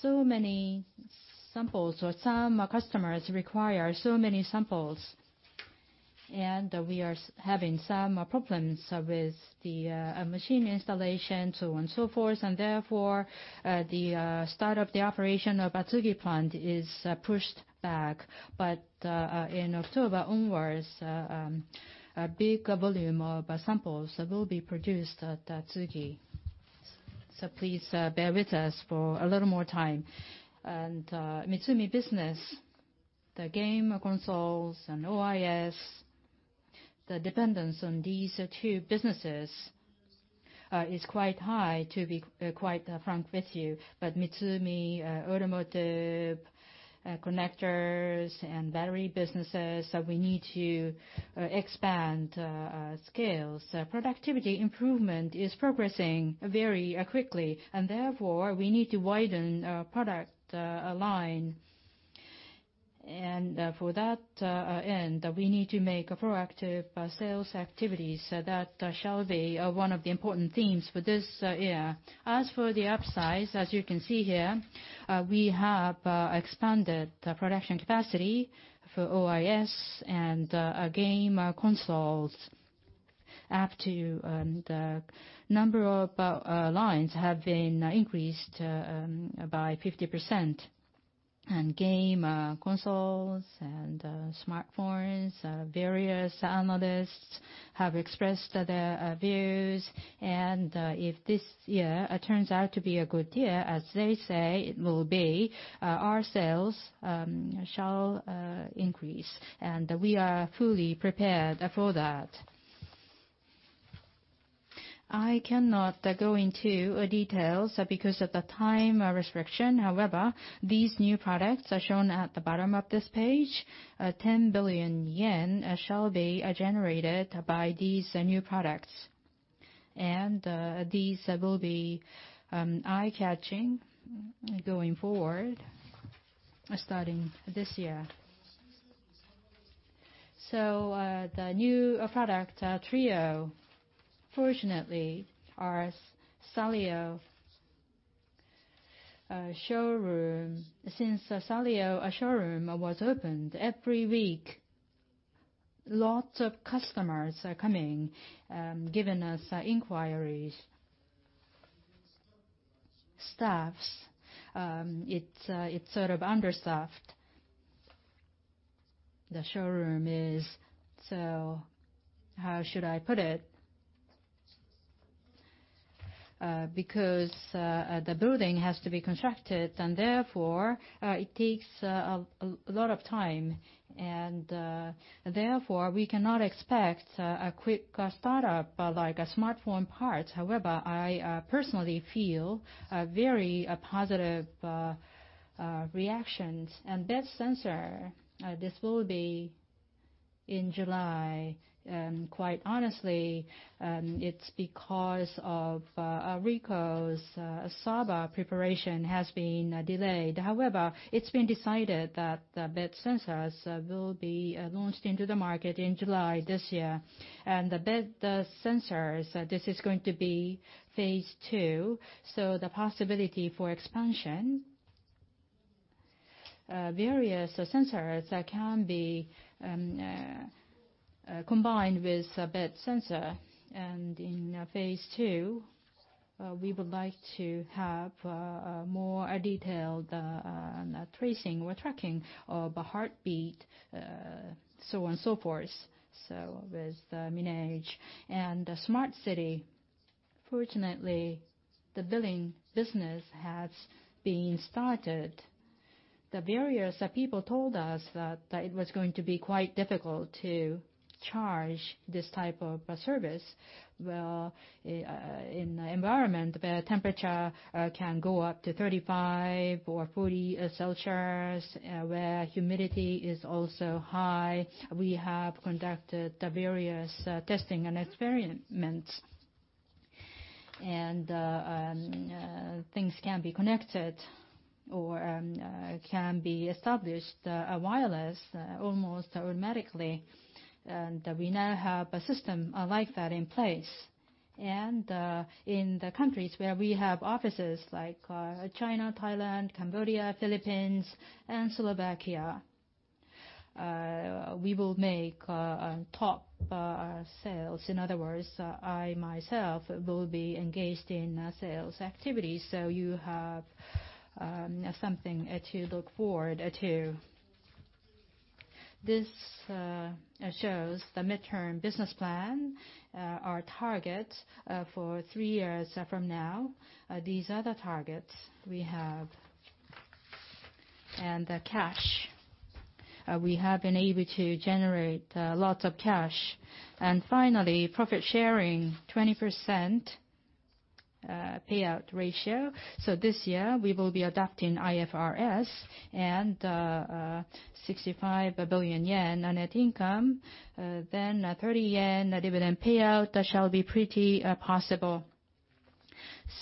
so many samples, or some customers require so many samples. We are having some problems with the machine installation, so on and so forth. Therefore, the start of the operation of Tsuji plant is pushed back. In October onwards, a big volume of samples will be produced at Tsuji. Please bear with us for a little more time. MITSUMI business, the game consoles and OIS, the dependence on these two businesses is quite high, to be quite frank with you. MITSUMI automotive connectors and battery businesses that we need to expand scales. Productivity improvement is progressing very quickly. Therefore, we need to widen our product line. For that end, we need to make proactive sales activities. That shall be one of the important themes for this year. As for the upsize, as you can see here, we have expanded the production capacity for OIS and game consoles up to the number of lines have been increased by 50%. Game consoles and smartphones, various analysts have expressed their views. If this year turns out to be a good year, as they say it will be, our sales shall increase, and we are fully prepared for that. I cannot go into details because of the time restriction. These new products are shown at the bottom of this page. 10 billion yen shall be generated by these new products. These will be eye-catching going forward, starting this year. The New Product Trio. Fortunately, our SALIOT showroom. Since the SALIOT showroom was opened, every week, lots of customers are coming, giving us inquiries. Staff, it is sort of understaffed, the showroom is. How should I put it? The building has to be constructed, and therefore, it takes a lot of time, and therefore, we cannot expect a quick startup like smartphone parts. I personally feel very positive reactions. Bed sensor, this will be in July. Quite honestly, it is because of Ricoh's Saba preparation has been delayed. It has been decided that the bed sensors will be launched into the market in July this year. The bed sensors, this is going to be phase II, the possibility for expansion. Various sensors can be combined with a bed sensor. In phase II, we would like to have more detailed tracing or tracking of a heartbeat, so on and so forth. With MINEGE and Smart City, fortunately, the billing business has been started. The barriers that people told us that it was going to be quite difficult to charge this type of a service, well, in an environment where temperature can go up to 35 or 40 degrees Celsius, where humidity is also high. We have conducted various testing and experiments, and things can be connected or can be established wireless, almost automatically. We now have a system like that in place. In the countries where we have offices like China, Thailand, Cambodia, Philippines, and Slovakia, we will make top sales. In other words, I myself will be engaged in sales activities. You have something to look forward to. This shows the midterm business plan, our targets for three years from now. These are the targets we have. The cash. We have been able to generate lots of cash. Finally, profit sharing, 20% payout ratio. This year, we will be adopting IFRS, and 65 billion yen net income, then 30 yen dividend payout shall be pretty possible.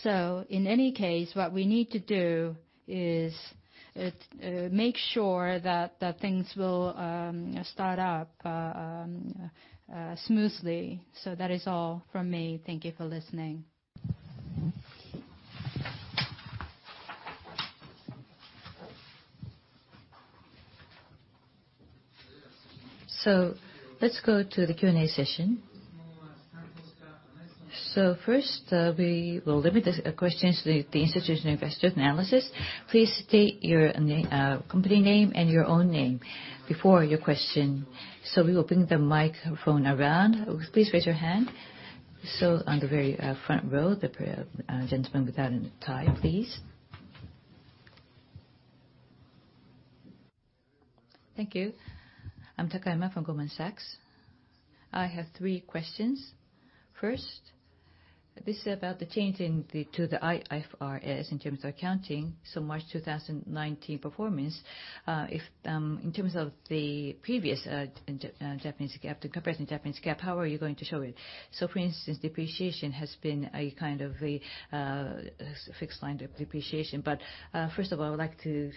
In any case, what we need to do is make sure that things will start up smoothly. That is all from me. Thank you for listening. Let us go to the Q&A session. First, we will limit the questions to the institutional investor analysts. Please state your company name and your own name before your question. We will bring the microphone around. Please raise your hand. On the very front row, the gentleman without a tie, please. Thank you. I'm Takayama from Goldman Sachs. I have three questions. First, this is about the change to the IFRS in terms of accounting. March 2019 performance, in terms of the previous Japanese GAAP, to compare to Japanese GAAP, how are you going to show it? For instance, depreciation has been a kind of fixed line depreciation. First of all, I would like to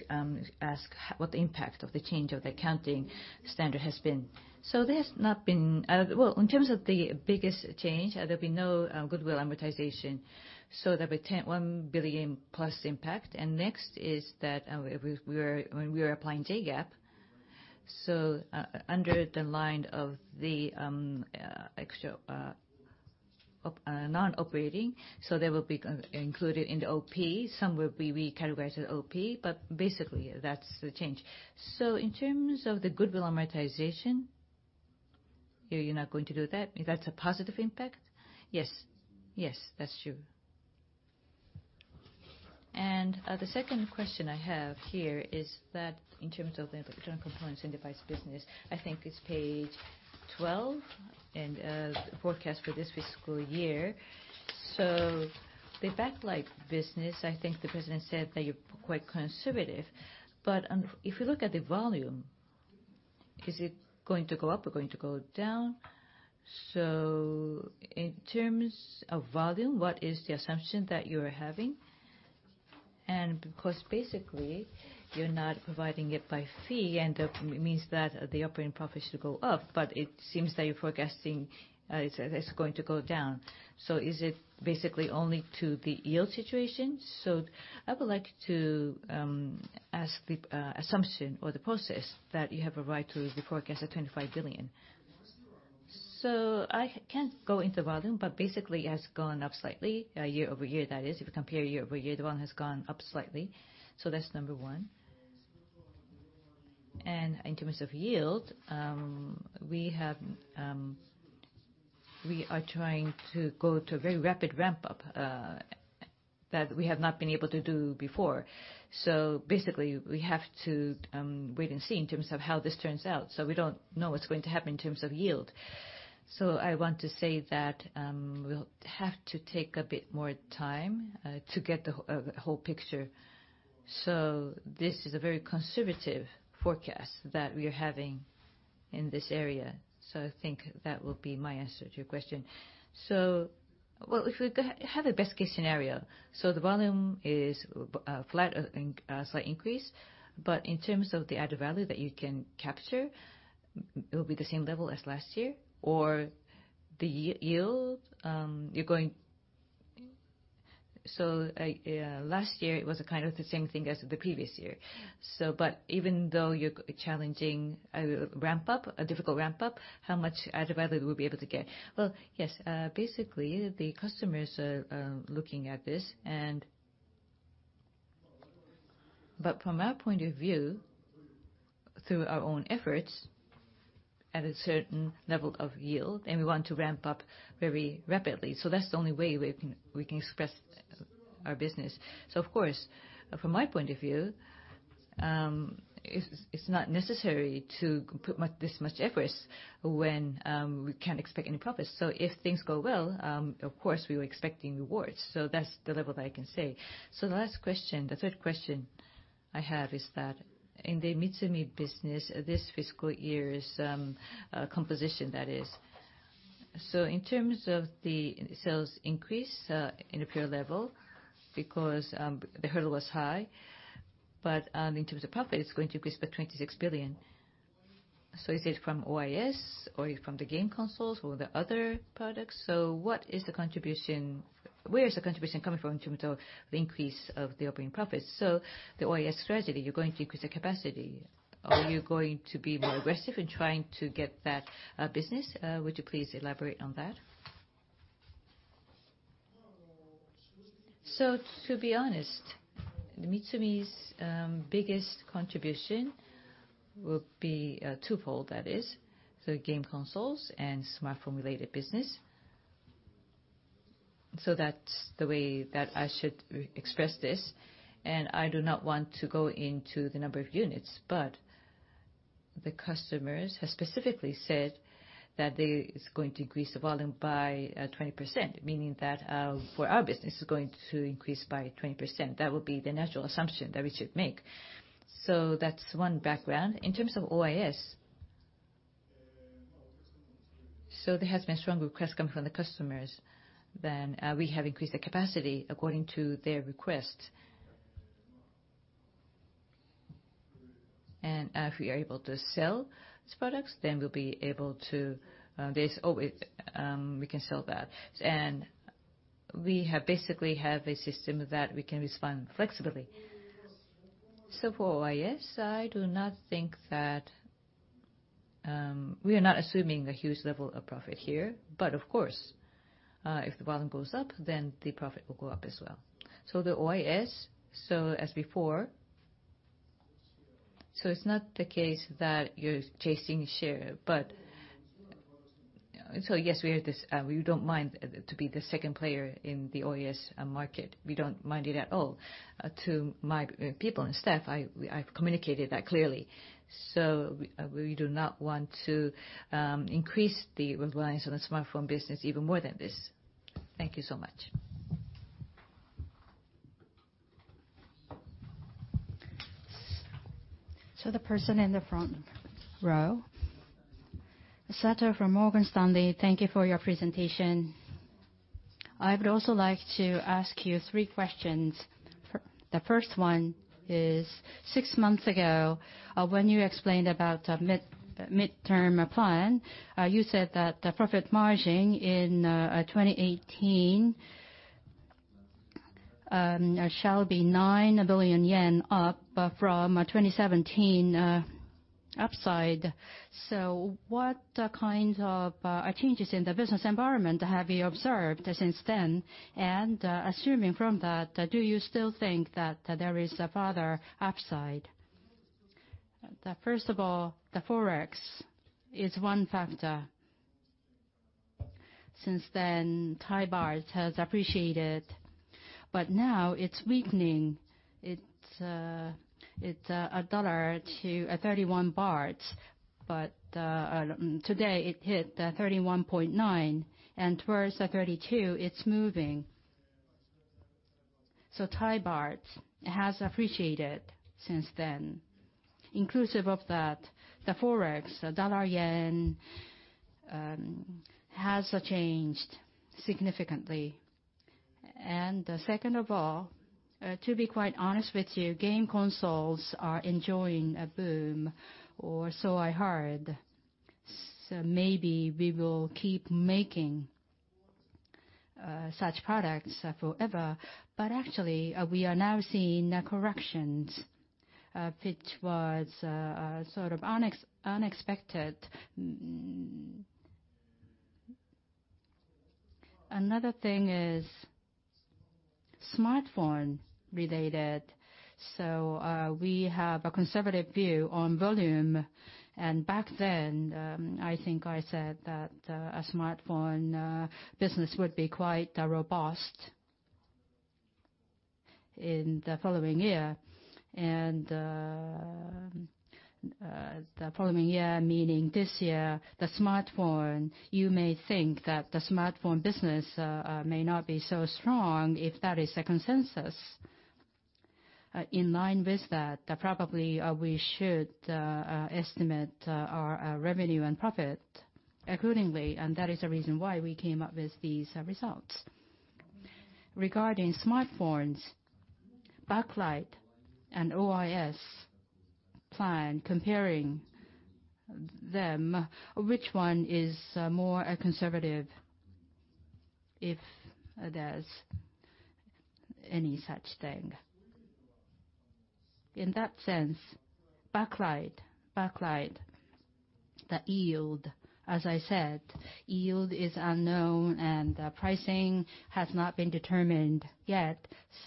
ask what the impact of the change of the accounting standard has been. In terms of the biggest change, there'll be no goodwill amortization, so there'll be 1 billion-plus impact. Next is that when we were applying JGAAP, under the line of the non-operating, they will be included in the OP. Some will be recategorized as OP, but basically, that's the change. In terms of the goodwill amortization, you're not going to do that? That's a positive impact? Yes. Yes, that's true. The second question I have here is that in terms of the electronic components and device business, I think it's page 12 in the forecast for this fiscal year. The LED backlights business, I think the president said that you're quite conservative, but if you look at the volume, is it going to go up or going to go down? In terms of volume, what is the assumption that you are having? Because basically you're not providing it by fee, that means that the operating profit should go up, but it seems that you're forecasting that it's going to go down. Is it basically only to the yield situation? I would like to ask the assumption or the process that you have arrived to the forecast of 25 billion. I can't go into volume, but basically it has gone up slightly, year-over-year that is. If you compare year-over-year, the volume has gone up slightly. That's number one. In terms of yield, we are trying to go to a very rapid ramp-up that we have not been able to do before. Basically, we have to wait and see in terms of how this turns out. We don't know what's going to happen in terms of yield. I want to say that we'll have to take a bit more time to get the whole picture. This is a very conservative forecast that we are having in this area. I think that will be my answer to your question. If we have a best case scenario, the volume is flat or a slight increase, but in terms of the added value that you can capture, it will be the same level as last year? The yield, last year it was a kind of the same thing as the previous year. Even though you're challenging a difficult ramp-up, how much added value will you be able to get? Yes. Basically, the customers are looking at this. From our point of view, through our own efforts at a certain level of yield, we want to ramp up very rapidly. That's the only way we can express our business. Of course, from my point of view, it's not necessary to put this much effort when we can't expect any profits. If things go well, of course, we are expecting rewards. That's the level that I can say. The last question, the third question I have is that in the MITSUMI business, this fiscal year's composition that is. In terms of the sales increase in a pure level, because the hurdle was high, but in terms of profit, it's going to increase by 26 billion. Is it from OIS, or from the game consoles, or the other products? Where is the contribution coming from in terms of the increase of the operating profits? The OIS strategy, you're going to increase the capacity. Are you going to be more aggressive in trying to get that business? Would you please elaborate on that? To be honest, MITSUMI's biggest contribution will be twofold, that is, the game consoles and smartphone-related business. That's the way that I should express this, I do not want to go into the number of units, but the customers have specifically said that it's going to increase the volume by 20%, meaning that for our business, it's going to increase by 20%. That would be the natural assumption that we should make. That's one background. In terms of OIS, there has been strong requests coming from the customers. We have increased the capacity according to their request. If we are able to sell these products, then we can sell that. We basically have a system that we can respond flexibly. For OIS, we are not assuming a huge level of profit here, but of course, if the volume goes up, then the profit will go up as well. The OIS, as before, it's not the case that you're chasing share, but Yes, we don't mind to be the second player in the OIS market. We don't mind it at all. To my people and staff, I've communicated that clearly. We do not want to increase the reliance on the smartphone business even more than this. Thank you so much. The person in the front row. Sato from Morgan Stanley. Thank you for your presentation. I would also like to ask you three questions. The first one is, six months ago, when you explained about the midterm plan, you said that the profit margin in 2018 shall be 9 billion yen up from 2017 upside. What kind of changes in the business environment have you observed since then? Assuming from that, do you still think that there is a further upside? First of all, the Forex is one factor. Thai baht has appreciated, but now it's weakening. It's USD 1 to 31 Thai baht, but today it hit 31.9 and towards 32 Thai baht it's moving. Thai baht has appreciated since then. Inclusive of that, the Forex USD/JPY has changed significantly. Second of all, to be quite honest with you, game consoles are enjoying a boom, or so I heard. Maybe we will keep making such products forever. Actually, we are now seeing corrections, which was sort of unexpected. Another thing is smartphone related. We have a conservative view on volume, and back then, I think I said that smartphone business would be quite robust in the following year. The following year, meaning this year, you may think that the smartphone business may not be so strong if that is a consensus. In line with that, probably we should estimate our revenue and profit accordingly. That is the reason why we came up with these results. Regarding smartphones, backlight, and OIS plan, comparing them, which one is more conservative, if there's any such thing? In that sense, backlight. The yield, as I said, yield is unknown, and pricing has not been determined yet.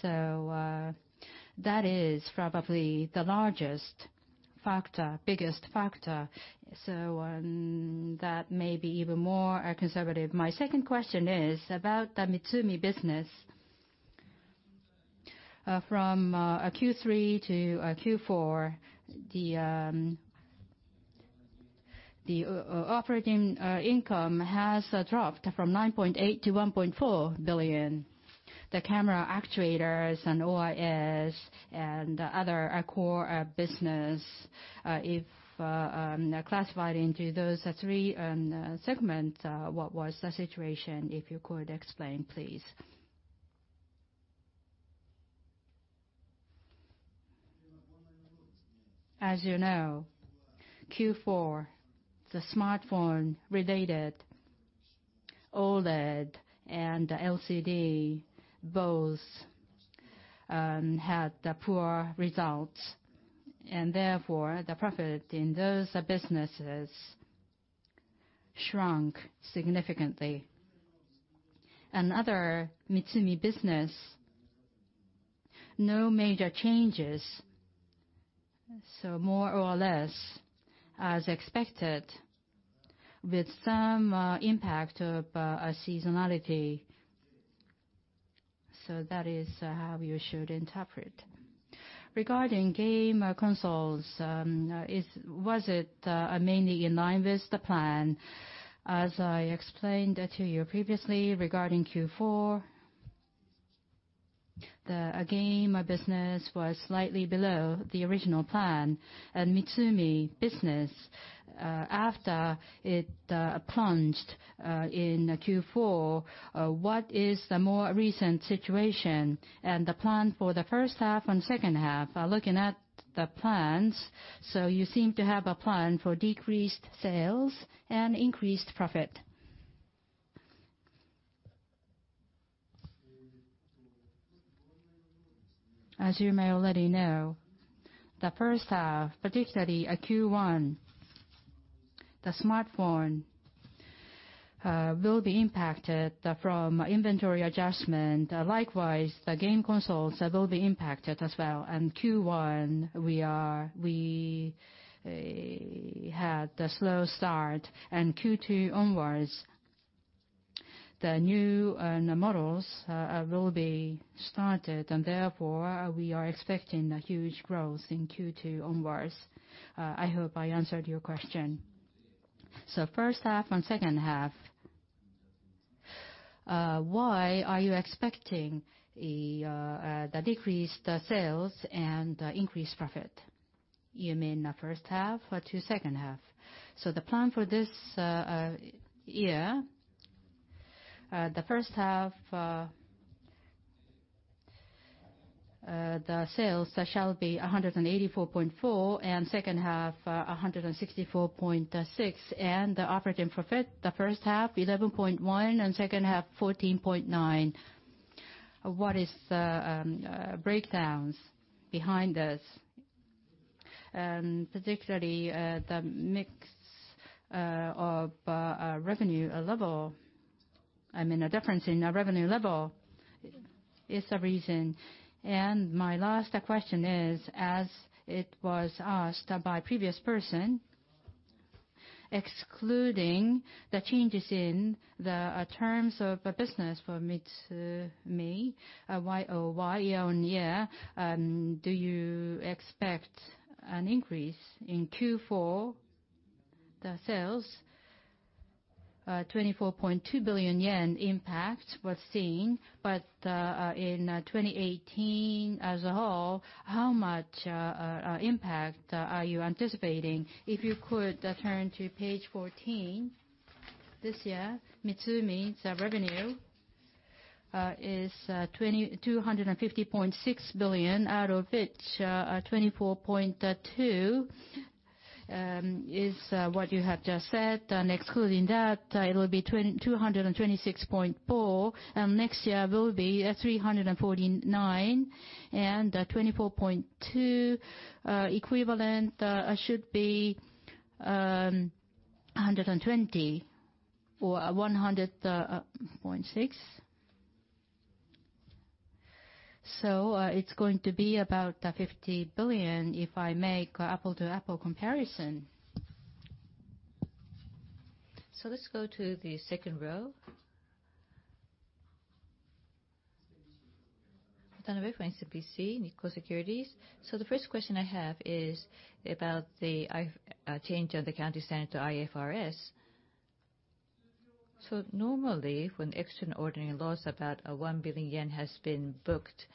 That is probably the largest factor, biggest factor. That may be even more conservative. My second question is about the MITSUMI business. From Q3 to Q4, the operating income has dropped from 9.8 billion to 1.4 billion. The camera actuators and OIS and other core business, if classified into those three segments, what was the situation, if you could explain, please? As you know, Q4, the smartphone related, OLED, and LCD both had poor results. Therefore, the profit in those businesses shrunk significantly. Other MITSUMI business, no major changes. More or less as expected, with some impact of seasonality. That is how you should interpret. Regarding game consoles, was it mainly in line with the plan? As I explained to you previously, regarding Q4, the game business was slightly below the original plan. MITSUMI business, after it plunged in Q4, what is the more recent situation and the plan for the first half and second half? Looking at the plans, you seem to have a plan for decreased sales and increased profit. As you may already know, the first half, particularly Q1, the smartphone will be impacted from inventory adjustment. Likewise, the game consoles will be impacted as well. In Q1, we had a slow start. Q2 onwards. The new models will be started. Therefore, we are expecting a huge growth in Q2 onwards. I hope I answered your question. First half and second half, why are you expecting the decreased sales and increased profit? You mean the first half or to second half? The plan for this year, the first half, the sales shall be 184.4 and second half 164.6. The operating profit, the first half 11.1 and second half 14.9. What is the breakdowns behind this? Particularly, the mix of revenue level, I mean, a difference in revenue level is the reason. My last question is, as it was asked by previous person, excluding the changes in the terms of business for MITSUMI, year-on-year, do you expect an increase in Q4? The sales, 24.2 billion yen impact was seen, but in 2018 as a whole, how much impact are you anticipating? If you could turn to page 14. This year, MITSUMI's revenue is 250.6 billion, out of which 24.2 is what you have just said. Excluding that, it will be 226.4, next year will be 349, 24.2 equivalent should be 120 or 100.6. It is going to be about 50 billion if I make apple-to-apple comparison. Let us go to the second row. Tanabe from SMBC Nikko Securities Inc. The first question I have is about the change on the accounting standard to IFRS. Normally, when extraordinary loss about 1 billion yen has been booked,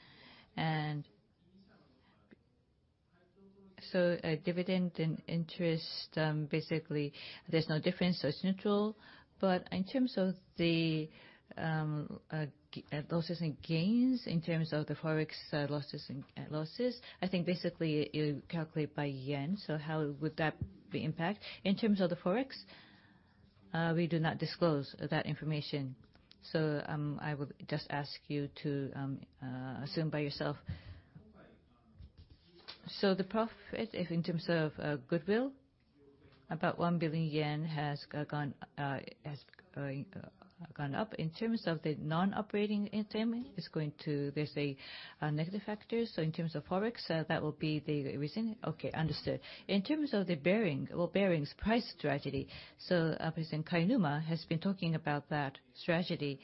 dividend and interest, basically, there is no difference, it is neutral. In terms of the losses and gains, in terms of the Forex losses, I think basically you calculate by yen. How would that be impact? In terms of the Forex, we do not disclose that information. I would just ask you to assume by yourself. The profit in terms of goodwill, about 1 billion yen has gone up. In terms of the non-operating item, there is a negative factor. In terms of Forex, that will be the reason? Okay, understood. In terms of the bearing or bearings price strategy, President Kainuma has been talking about that strategy.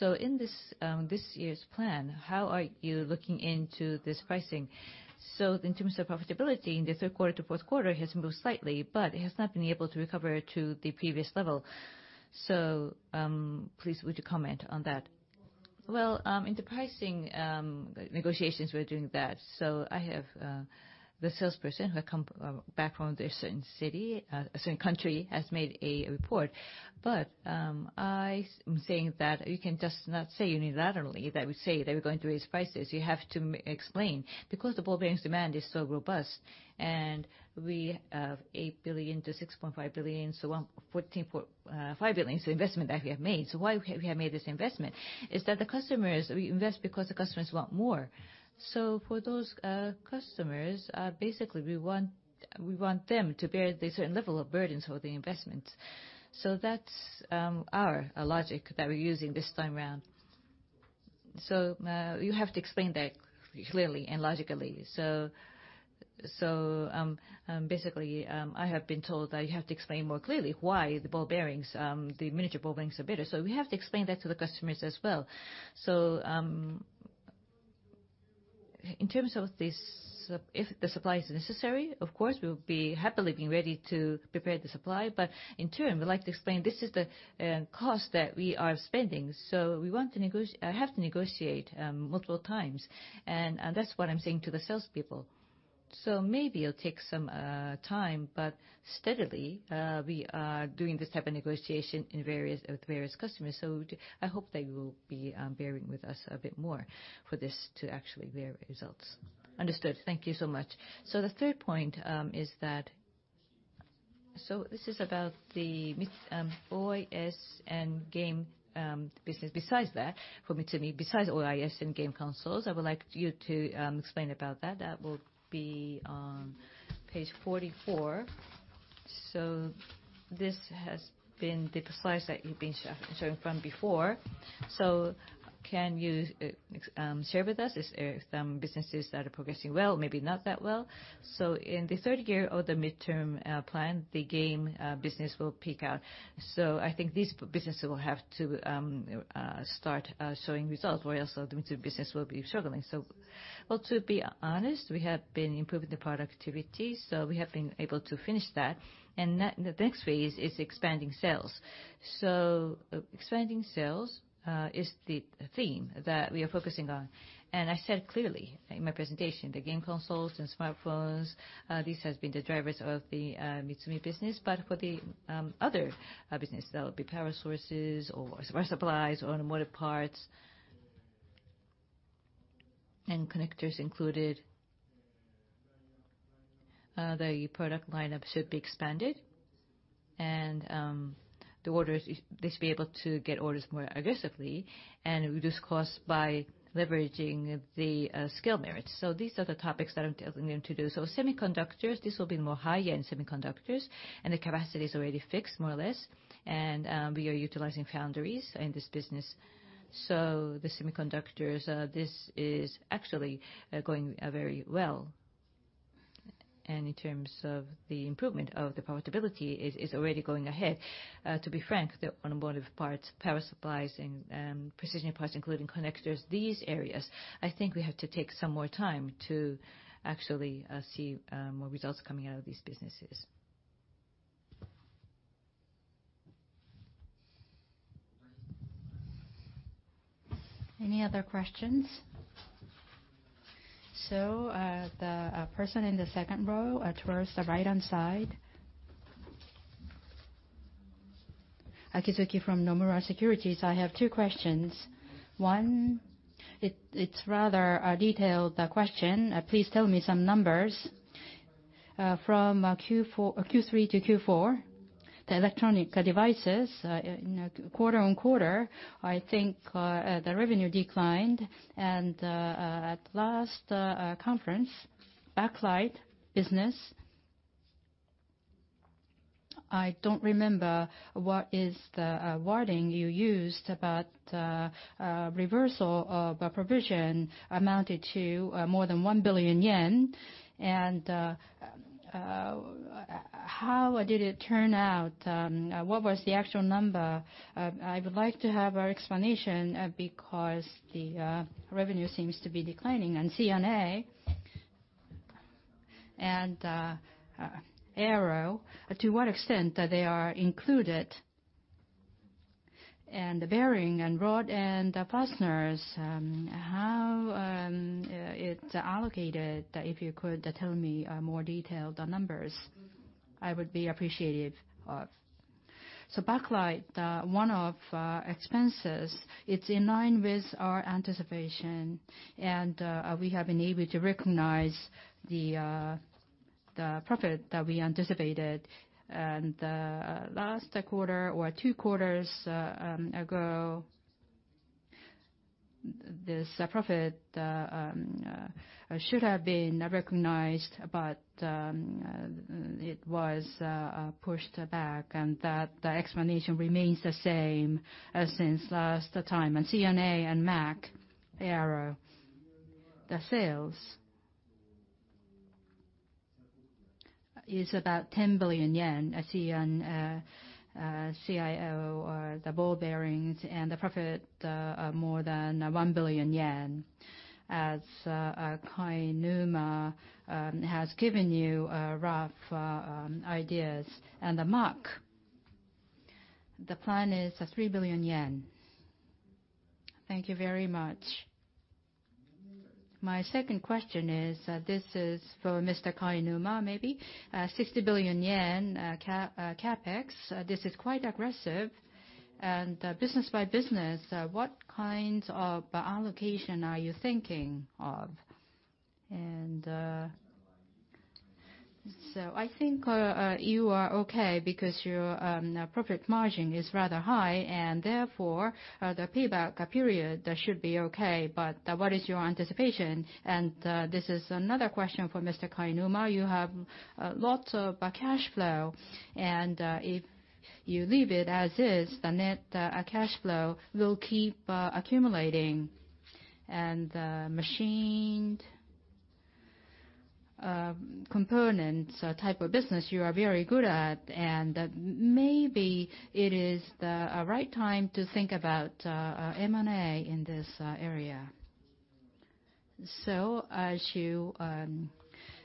In this year's plan, how are you looking into this pricing? In terms of profitability, the third quarter to fourth quarter has moved slightly, but it has not been able to recover to the previous level. Please would you comment on that? Well, in the pricing negotiations, we're doing that. I have the salesperson who come background a certain country, has made a report. I'm saying that you can just not say unilaterally that we say that we're going to raise prices. You have to explain because the ball bearings demand is so robust and we have 8 billion to 6.5 billion, so 5 billion is the investment that we have made. Why we have made this investment? Is that we invest because the customers want more. For those customers, basically, we want them to bear the certain level of burdens for the investment. That's our logic that we're using this time around. You have to explain that clearly and logically. Basically, I have been told that you have to explain more clearly why the miniature ball bearings are better. We have to explain that to the customers as well. In terms of this, if the supply is necessary, of course, we'll be happily being ready to prepare the supply. In turn, we'd like to explain this is the cost that we are spending. We have to negotiate multiple times. That's what I'm saying to the salespeople. Maybe it'll take some time, but steadily, we are doing this type of negotiation with various customers. I hope they will be bearing with us a bit more for this to actually bear results. Understood. Thank you so much. The third point is that, this is about the OIS and game business besides that for MITSUMI, besides OIS and game consoles, I would like you to explain about that. That will be on page 44. This has been the slides that you've been showing from before. Can you share with us, is there some businesses that are progressing well, maybe not that well? In the third year of the midterm plan, the game business will peak out. I think this business will have to start showing results or else the MITSUMI business will be struggling. Well, to be honest, we have been improving the productivity, we have been able to finish that. The next phase is expanding sales. Expanding sales is the theme that we are focusing on. I said clearly in my presentation, the game consoles and smartphones, this has been the drivers of the MITSUMI business, for the other business, that would be power sources or smart supplies or automotive parts and connectors included, the product lineup should be expanded and they should be able to get orders more aggressively and reduce costs by leveraging the scale merits. These are the topics that I'm telling them to do. Semiconductors, this will be more high-end semiconductors, the capacity is already fixed more or less. We are utilizing foundries in this business. The semiconductors, this is actually going very well. In terms of the improvement of the profitability is already going ahead. To be frank, the automotive parts, power supplies, and precision parts, including connectors, these areas, I think we have to take some more time to actually see more results coming out of these businesses. Any other questions? The person in the second row towards the right-hand side. Akizuki from Nomura Securities. I have two questions. One, it's rather a detailed question. Please tell me some numbers from Q3 to Q4, the electronic devices, quarter-on-quarter, I think the revenue declined and at last conference, backlight business, I don't remember what is the wording you used about reversal of a provision amounted to more than 1 billion yen, and how did it turn out? What was the actual number? I would like to have an explanation, because the revenue seems to be declining. C&A and Mach Aero, to what extent they are included? The bearing and rod and the fasteners, how it's allocated, if you could tell me more detailed numbers, I would be appreciative of. Backlight, one of expenses, it's in line with our anticipation, and we have been able to recognize the profit that we anticipated. Last quarter or two quarters ago, this profit should have been recognized, but it was pushed back and the explanation remains the same as since last time. C&A and Mach Aero, the sales is about 10 billion yen at C&A, CIO, or the ball bearings, and the profit more than 1 billion yen as Kainuma has given you rough ideas. Mach Aero, the plan is 3 billion yen. Thank you very much. My second question is, this is for Mr. Kainuma, maybe. 60 billion yen CapEx, this is quite aggressive. Business by business, what kinds of allocation are you thinking of? I think you are okay because your profit margin is rather high, and therefore, the payback period should be okay, but what is your anticipation? This is another question for Mr. Kainuma. You have lots of cash flow, and if you leave it as is, the net cash flow will keep accumulating. Machined components type of business you are very good at, and maybe it is the right time to think about M&A in this area. As you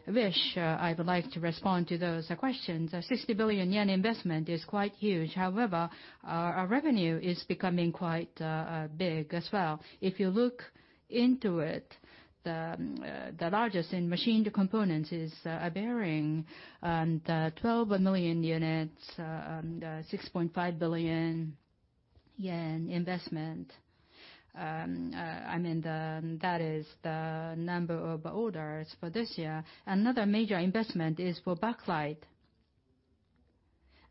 wish, I would like to respond to those questions. 60 billion yen investment is quite huge. However, our revenue is becoming quite big as well. If you look into it, the largest in machined components is a bearing and 12 million units and JPY 6.5 billion investment. I mean, that is the number of orders for this year. Another major investment is for backlight.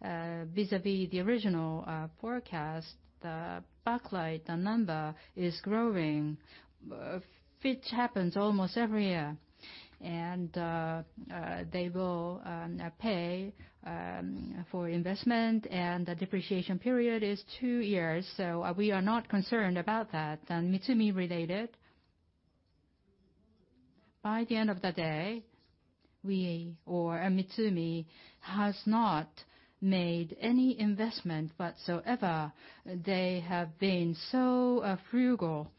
Vis-a-vis the original forecast, the backlight, the number is growing, which happens almost every year. They will pay for investment, and the depreciation period is 2 years, we are not concerned about that. MITSUMI related By the end of the day, we or MITSUMI has not made any investment whatsoever. They have been so frugal.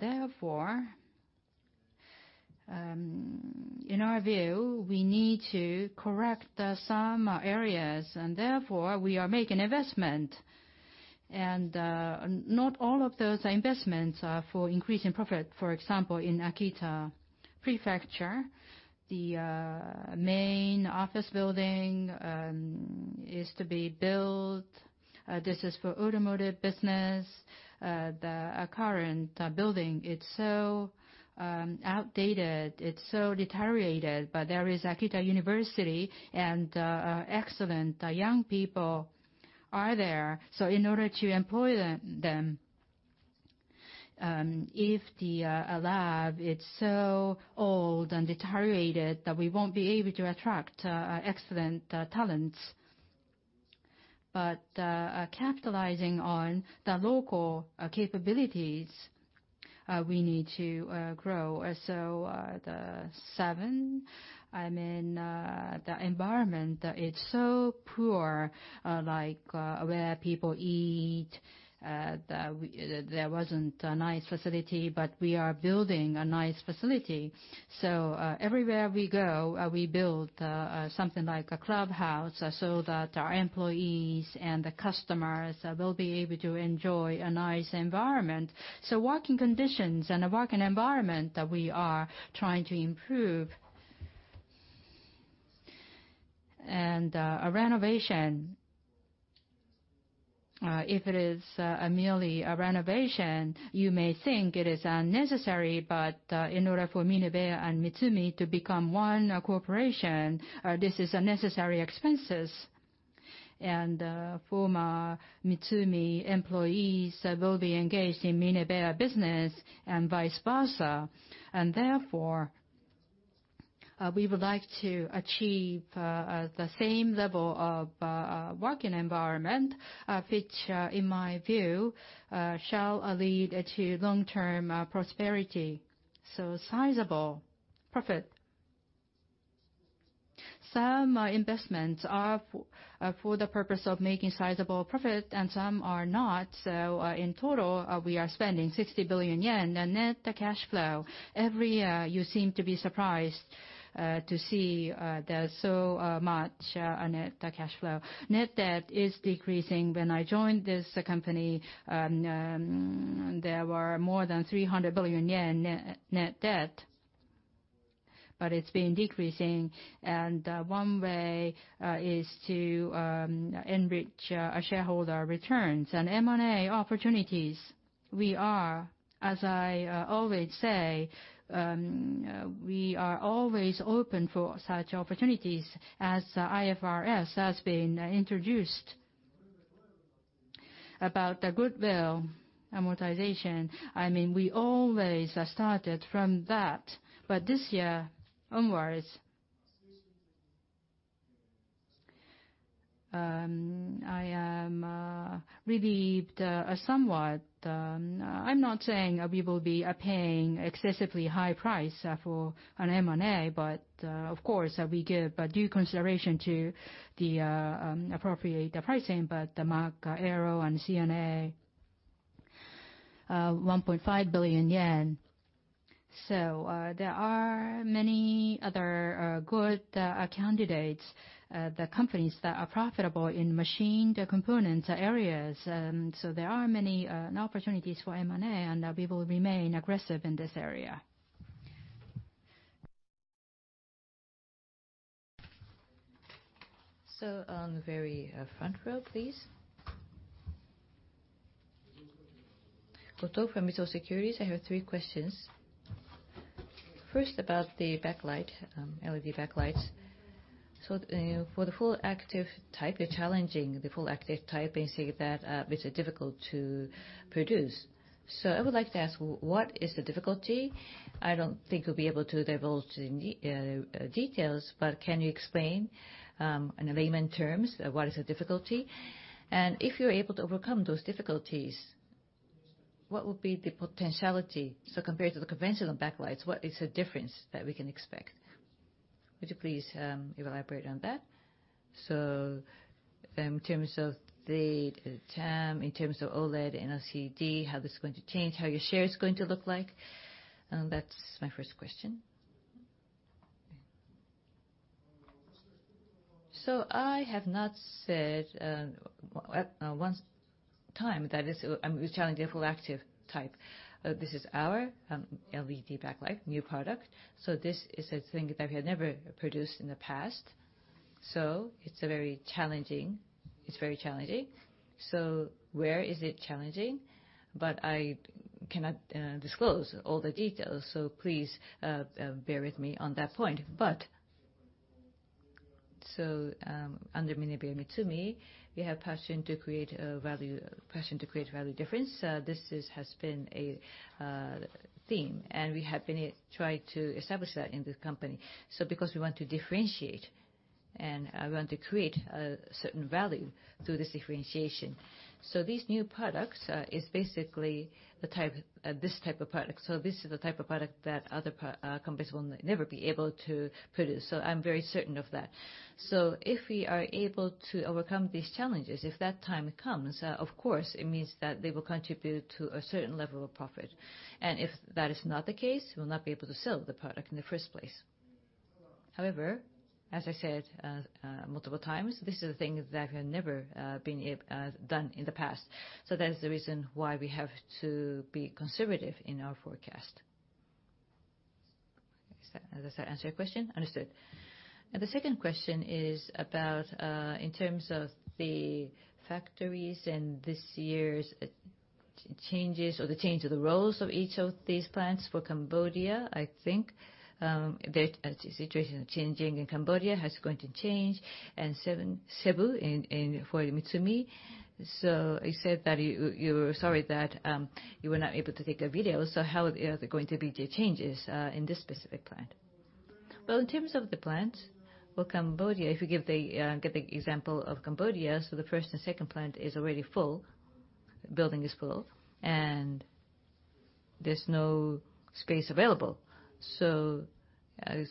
Therefore, in our view, we need to correct some areas, and therefore we are making investment. Not all of those investments are for increasing profit. For example, in Akita Prefecture, the main office building is to be built. This is for automotive business. The current building, it's so outdated, it's so deteriorated. There is Akita University, and excellent young people are there. In order to employ them, if the lab is so old and deteriorated, that we won't be able to attract excellent talents. Capitalizing on the local capabilities, we need to grow. The environment is so poor, like where people eat. There wasn't a nice facility, but we are building a nice facility. Everywhere we go, we build something like a clubhouse so that our employees and the customers will be able to enjoy a nice environment. Working conditions and a working environment that we are trying to improve. A renovation. If it is merely a renovation, you may think it is unnecessary, but in order for MINEBEA and MITSUMI to become one corporation, this is a necessary expenses. Former MITSUMI employees will be engaged in MINEBEA business and vice versa. Therefore, we would like to achieve the same level of working environment, which, in my view, shall lead to long-term prosperity. Sizable profit. Some investments are for the purpose of making sizable profit and some are not. In total, we are spending 60 billion yen. The net cash flow, every year you seem to be surprised to see there's so much net cash flow. Net debt is decreasing. When I joined this company, there were more than 300 billion yen net debt, but it's been decreasing, and one way is to enrich shareholder returns. M&A opportunities, as I always say, we are always open for such opportunities as IFRS has been introduced. About the goodwill amortization, we always started from that, but this year onwards, I am relieved somewhat. I'm not saying we will be paying excessively high price for an M&A, but of course, we give due consideration to the appropriate pricing. The Mach Aero and C&A, 1.5 billion yen. There are many other good candidates, the companies that are profitable in machined components areas. There are many opportunities for M&A, and we will remain aggressive in this area. On the very front row, please. Goto from Mizuho Securities. I have three questions. First, about the backlight, LED backlights. For the full active type, you are challenging the full active type, basically, that it is difficult to produce. I would like to ask, what is the difficulty? I do not think you will be able to divulge the details, but can you explain in layman terms what is the difficulty? If you are able to overcome those difficulties, what will be the potentiality? Compared to the conventional backlights, what is the difference that we can expect? Would you please elaborate on that? In terms of the TAM, in terms of OLED and LCD, how this is going to change, how your share is going to look like? That is my first question. I have not said one time that I am challenging the full active type. This is our LED backlight new product. This is a thing that we had never produced in the past. It is very challenging. Where is it challenging? I cannot disclose all the details, so please bear with me on that point. Under MINEBEA MITSUMI, we have passion to create value difference. This has been a theme, and we have been trying to establish that in this company. Because we want to differentiate I want to create a certain value through this differentiation. This new product is basically this type of product. This is the type of product that other companies will never be able to produce. I am very certain of that. If we are able to overcome these challenges, if that time comes, of course, it means that they will contribute to a certain level of profit. If that is not the case, we will not be able to sell the product in the first place. However, as I said multiple times, this is a thing that had never been done in the past. That is the reason why we have to be conservative in our forecast. Does that answer your question? Understood. The second question is about, in terms of the factories and this year's changes or the change of the roles of each of these plants for Cambodia. I think the situation changing in Cambodia, how it's going to change, and Cebu for MITSUMI. You said that you were sorry that you were not able to take a video. How are there going to be changes in this specific plant? In terms of the plants, for Cambodia, if you give the example of Cambodia, the first and second plant is already full. The building is full, and there's no space available. There are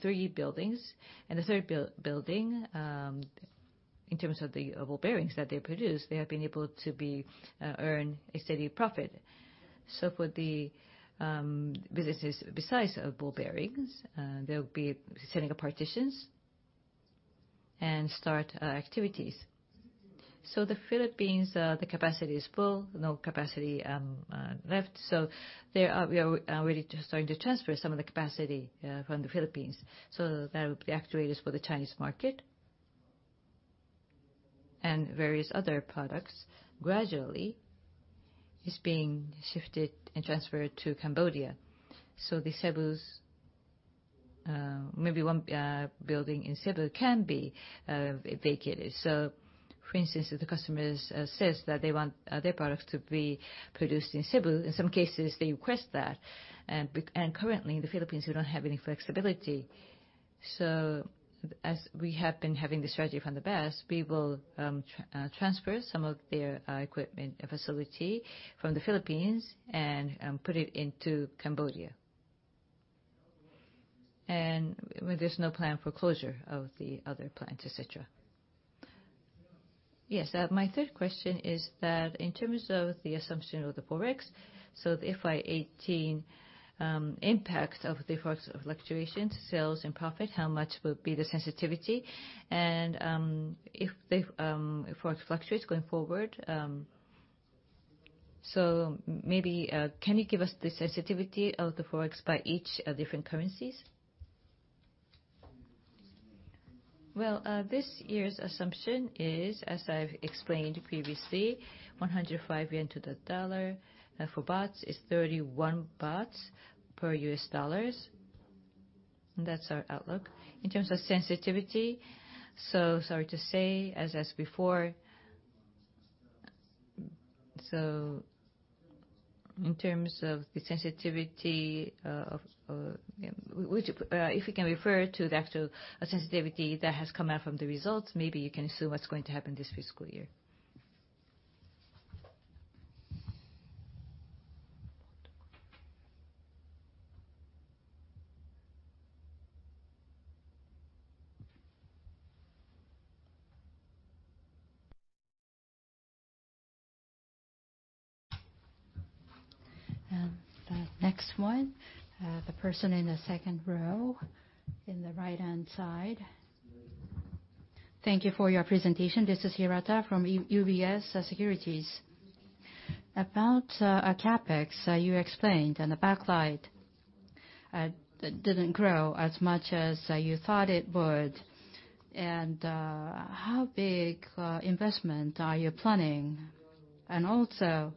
three buildings, and the third building, in terms of the ball bearings that they produce, they have been able to earn a steady profit. For the businesses besides ball bearings, they'll be setting up partitions and start activities. The Philippines, the capacity is full, no capacity left. We are already starting to transfer some of the capacity from the Philippines. There will be actuators for the Chinese market, and various other products gradually is being shifted and transferred to Cambodia. Cebu, maybe one building in Cebu can be vacated. For instance, if the customers says that they want their products to be produced in Cebu, in some cases, they request that. Currently, the Philippines, we don't have any flexibility. As we have been having the strategy from the best, we will transfer some of their equipment facility from the Philippines and put it into Cambodia. There's no plan for closure of the other plants, et cetera. Yes. My third question is that in terms of the assumption of the Forex. The FY 2018 impact of the fluctuation, sales, and profit, how much will be the sensitivity? If Forex fluctuates going forward, maybe can you give us the sensitivity of the Forex by each different currencies? This year's assumption is, as I've explained previously, 105 yen to the dollar. For baht, it's 31 Thai baht per US dollars. That's our outlook. In terms of sensitivity, sorry to say, as before, in terms of the sensitivity, if you can refer to the actual sensitivity that has come out from the results, maybe you can assume what's going to happen this fiscal year. The next one, the person in the second row in the right-hand side. Thank you for your presentation. This is Hirata from UBS Securities. About CapEx, you explained. The backlight didn't grow as much as you thought it would. How big investment are you planning? Also,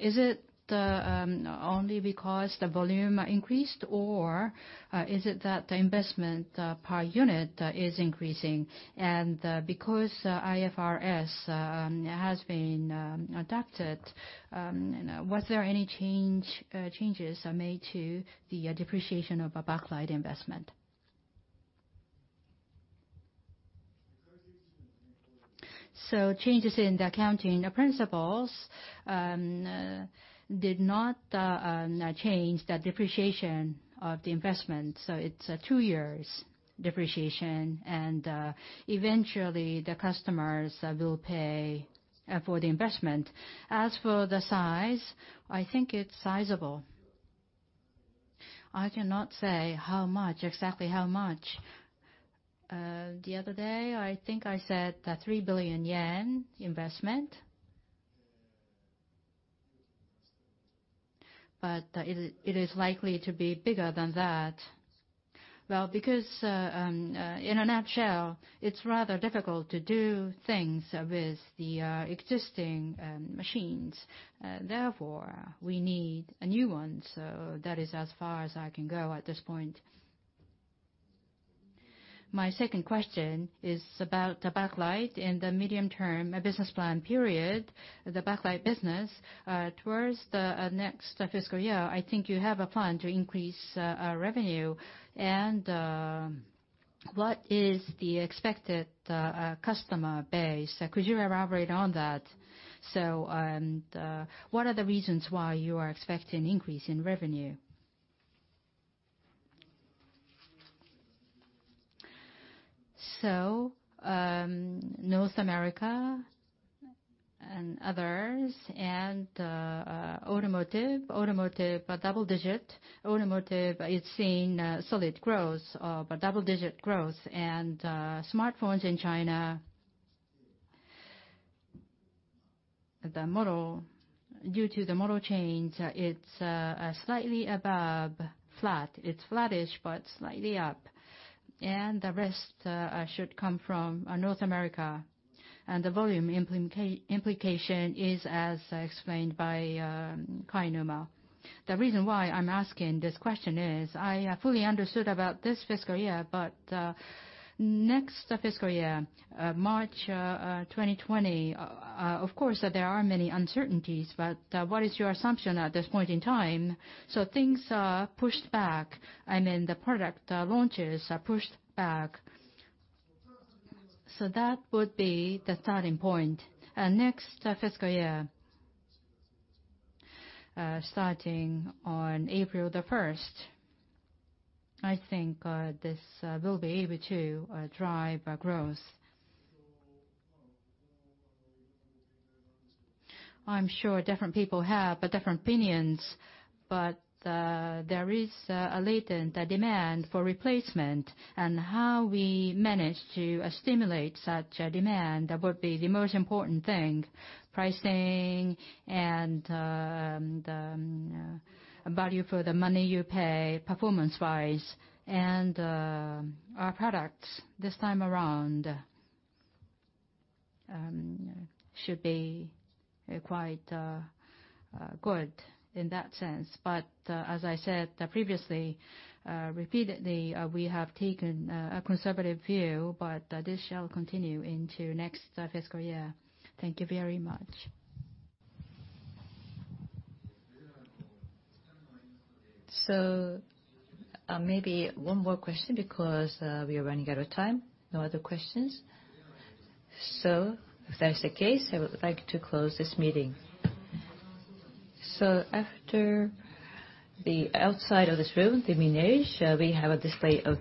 is it only because the volume increased, or is it that the investment per unit is increasing? Because IFRS has been adopted, was there any changes made to the depreciation of a backlight investment? Changes in the accounting principles did not change the depreciation of the investment. It is a two years depreciation, and eventually, the customers will pay for the investment. As for the size, I think it is sizable. I cannot say how much, exactly how much. The other day, I think I said a 3 billion yen investment. It is likely to be bigger than that. Because in a nutshell, it is rather difficult to do things with the existing machines. Therefore, we need a new one. That is as far as I can go at this point. My second question is about the backlight in the medium term business plan period. The backlight business towards the next fiscal year, I think you have a plan to increase revenue. What is the expected customer base? Could you elaborate on that? What are the reasons why you are expecting increase in revenue? North America and others, and automotive double-digit. Automotive, it is seeing solid growth, but double-digit growth. Smartphones in China, due to the model change, it is slightly above flat. It is flattish, but slightly up. The rest should come from North America. The volume implication is as explained by Yoshihisa Kainuma. The reason why I am asking this question is, I fully understood about this fiscal year, but next fiscal year, March 2020, of course, there are many uncertainties, but what is your assumption at this point in time? Things are pushed back, the product launches are pushed back. That would be the starting point. Next fiscal year, starting on April the 1st, I think this will be able to drive growth. I am sure different people have different opinions, but there is a latent demand for replacement, and how we manage to stimulate such a demand would be the most important thing. Pricing and the value for the money you pay performance-wise, and our products this time around should be quite good in that sense. As I said previously, repeatedly, we have taken a conservative view, but this shall continue into next fiscal year. Thank you very much. Maybe one more question because we are running out of time. No other questions? If that is the case, I would like to close this meeting. After the outside of this room, <inaudible> we have a display of,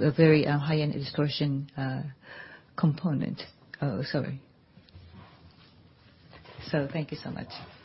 <inaudible> a very high-end distortion component. Sorry. Thank you so much.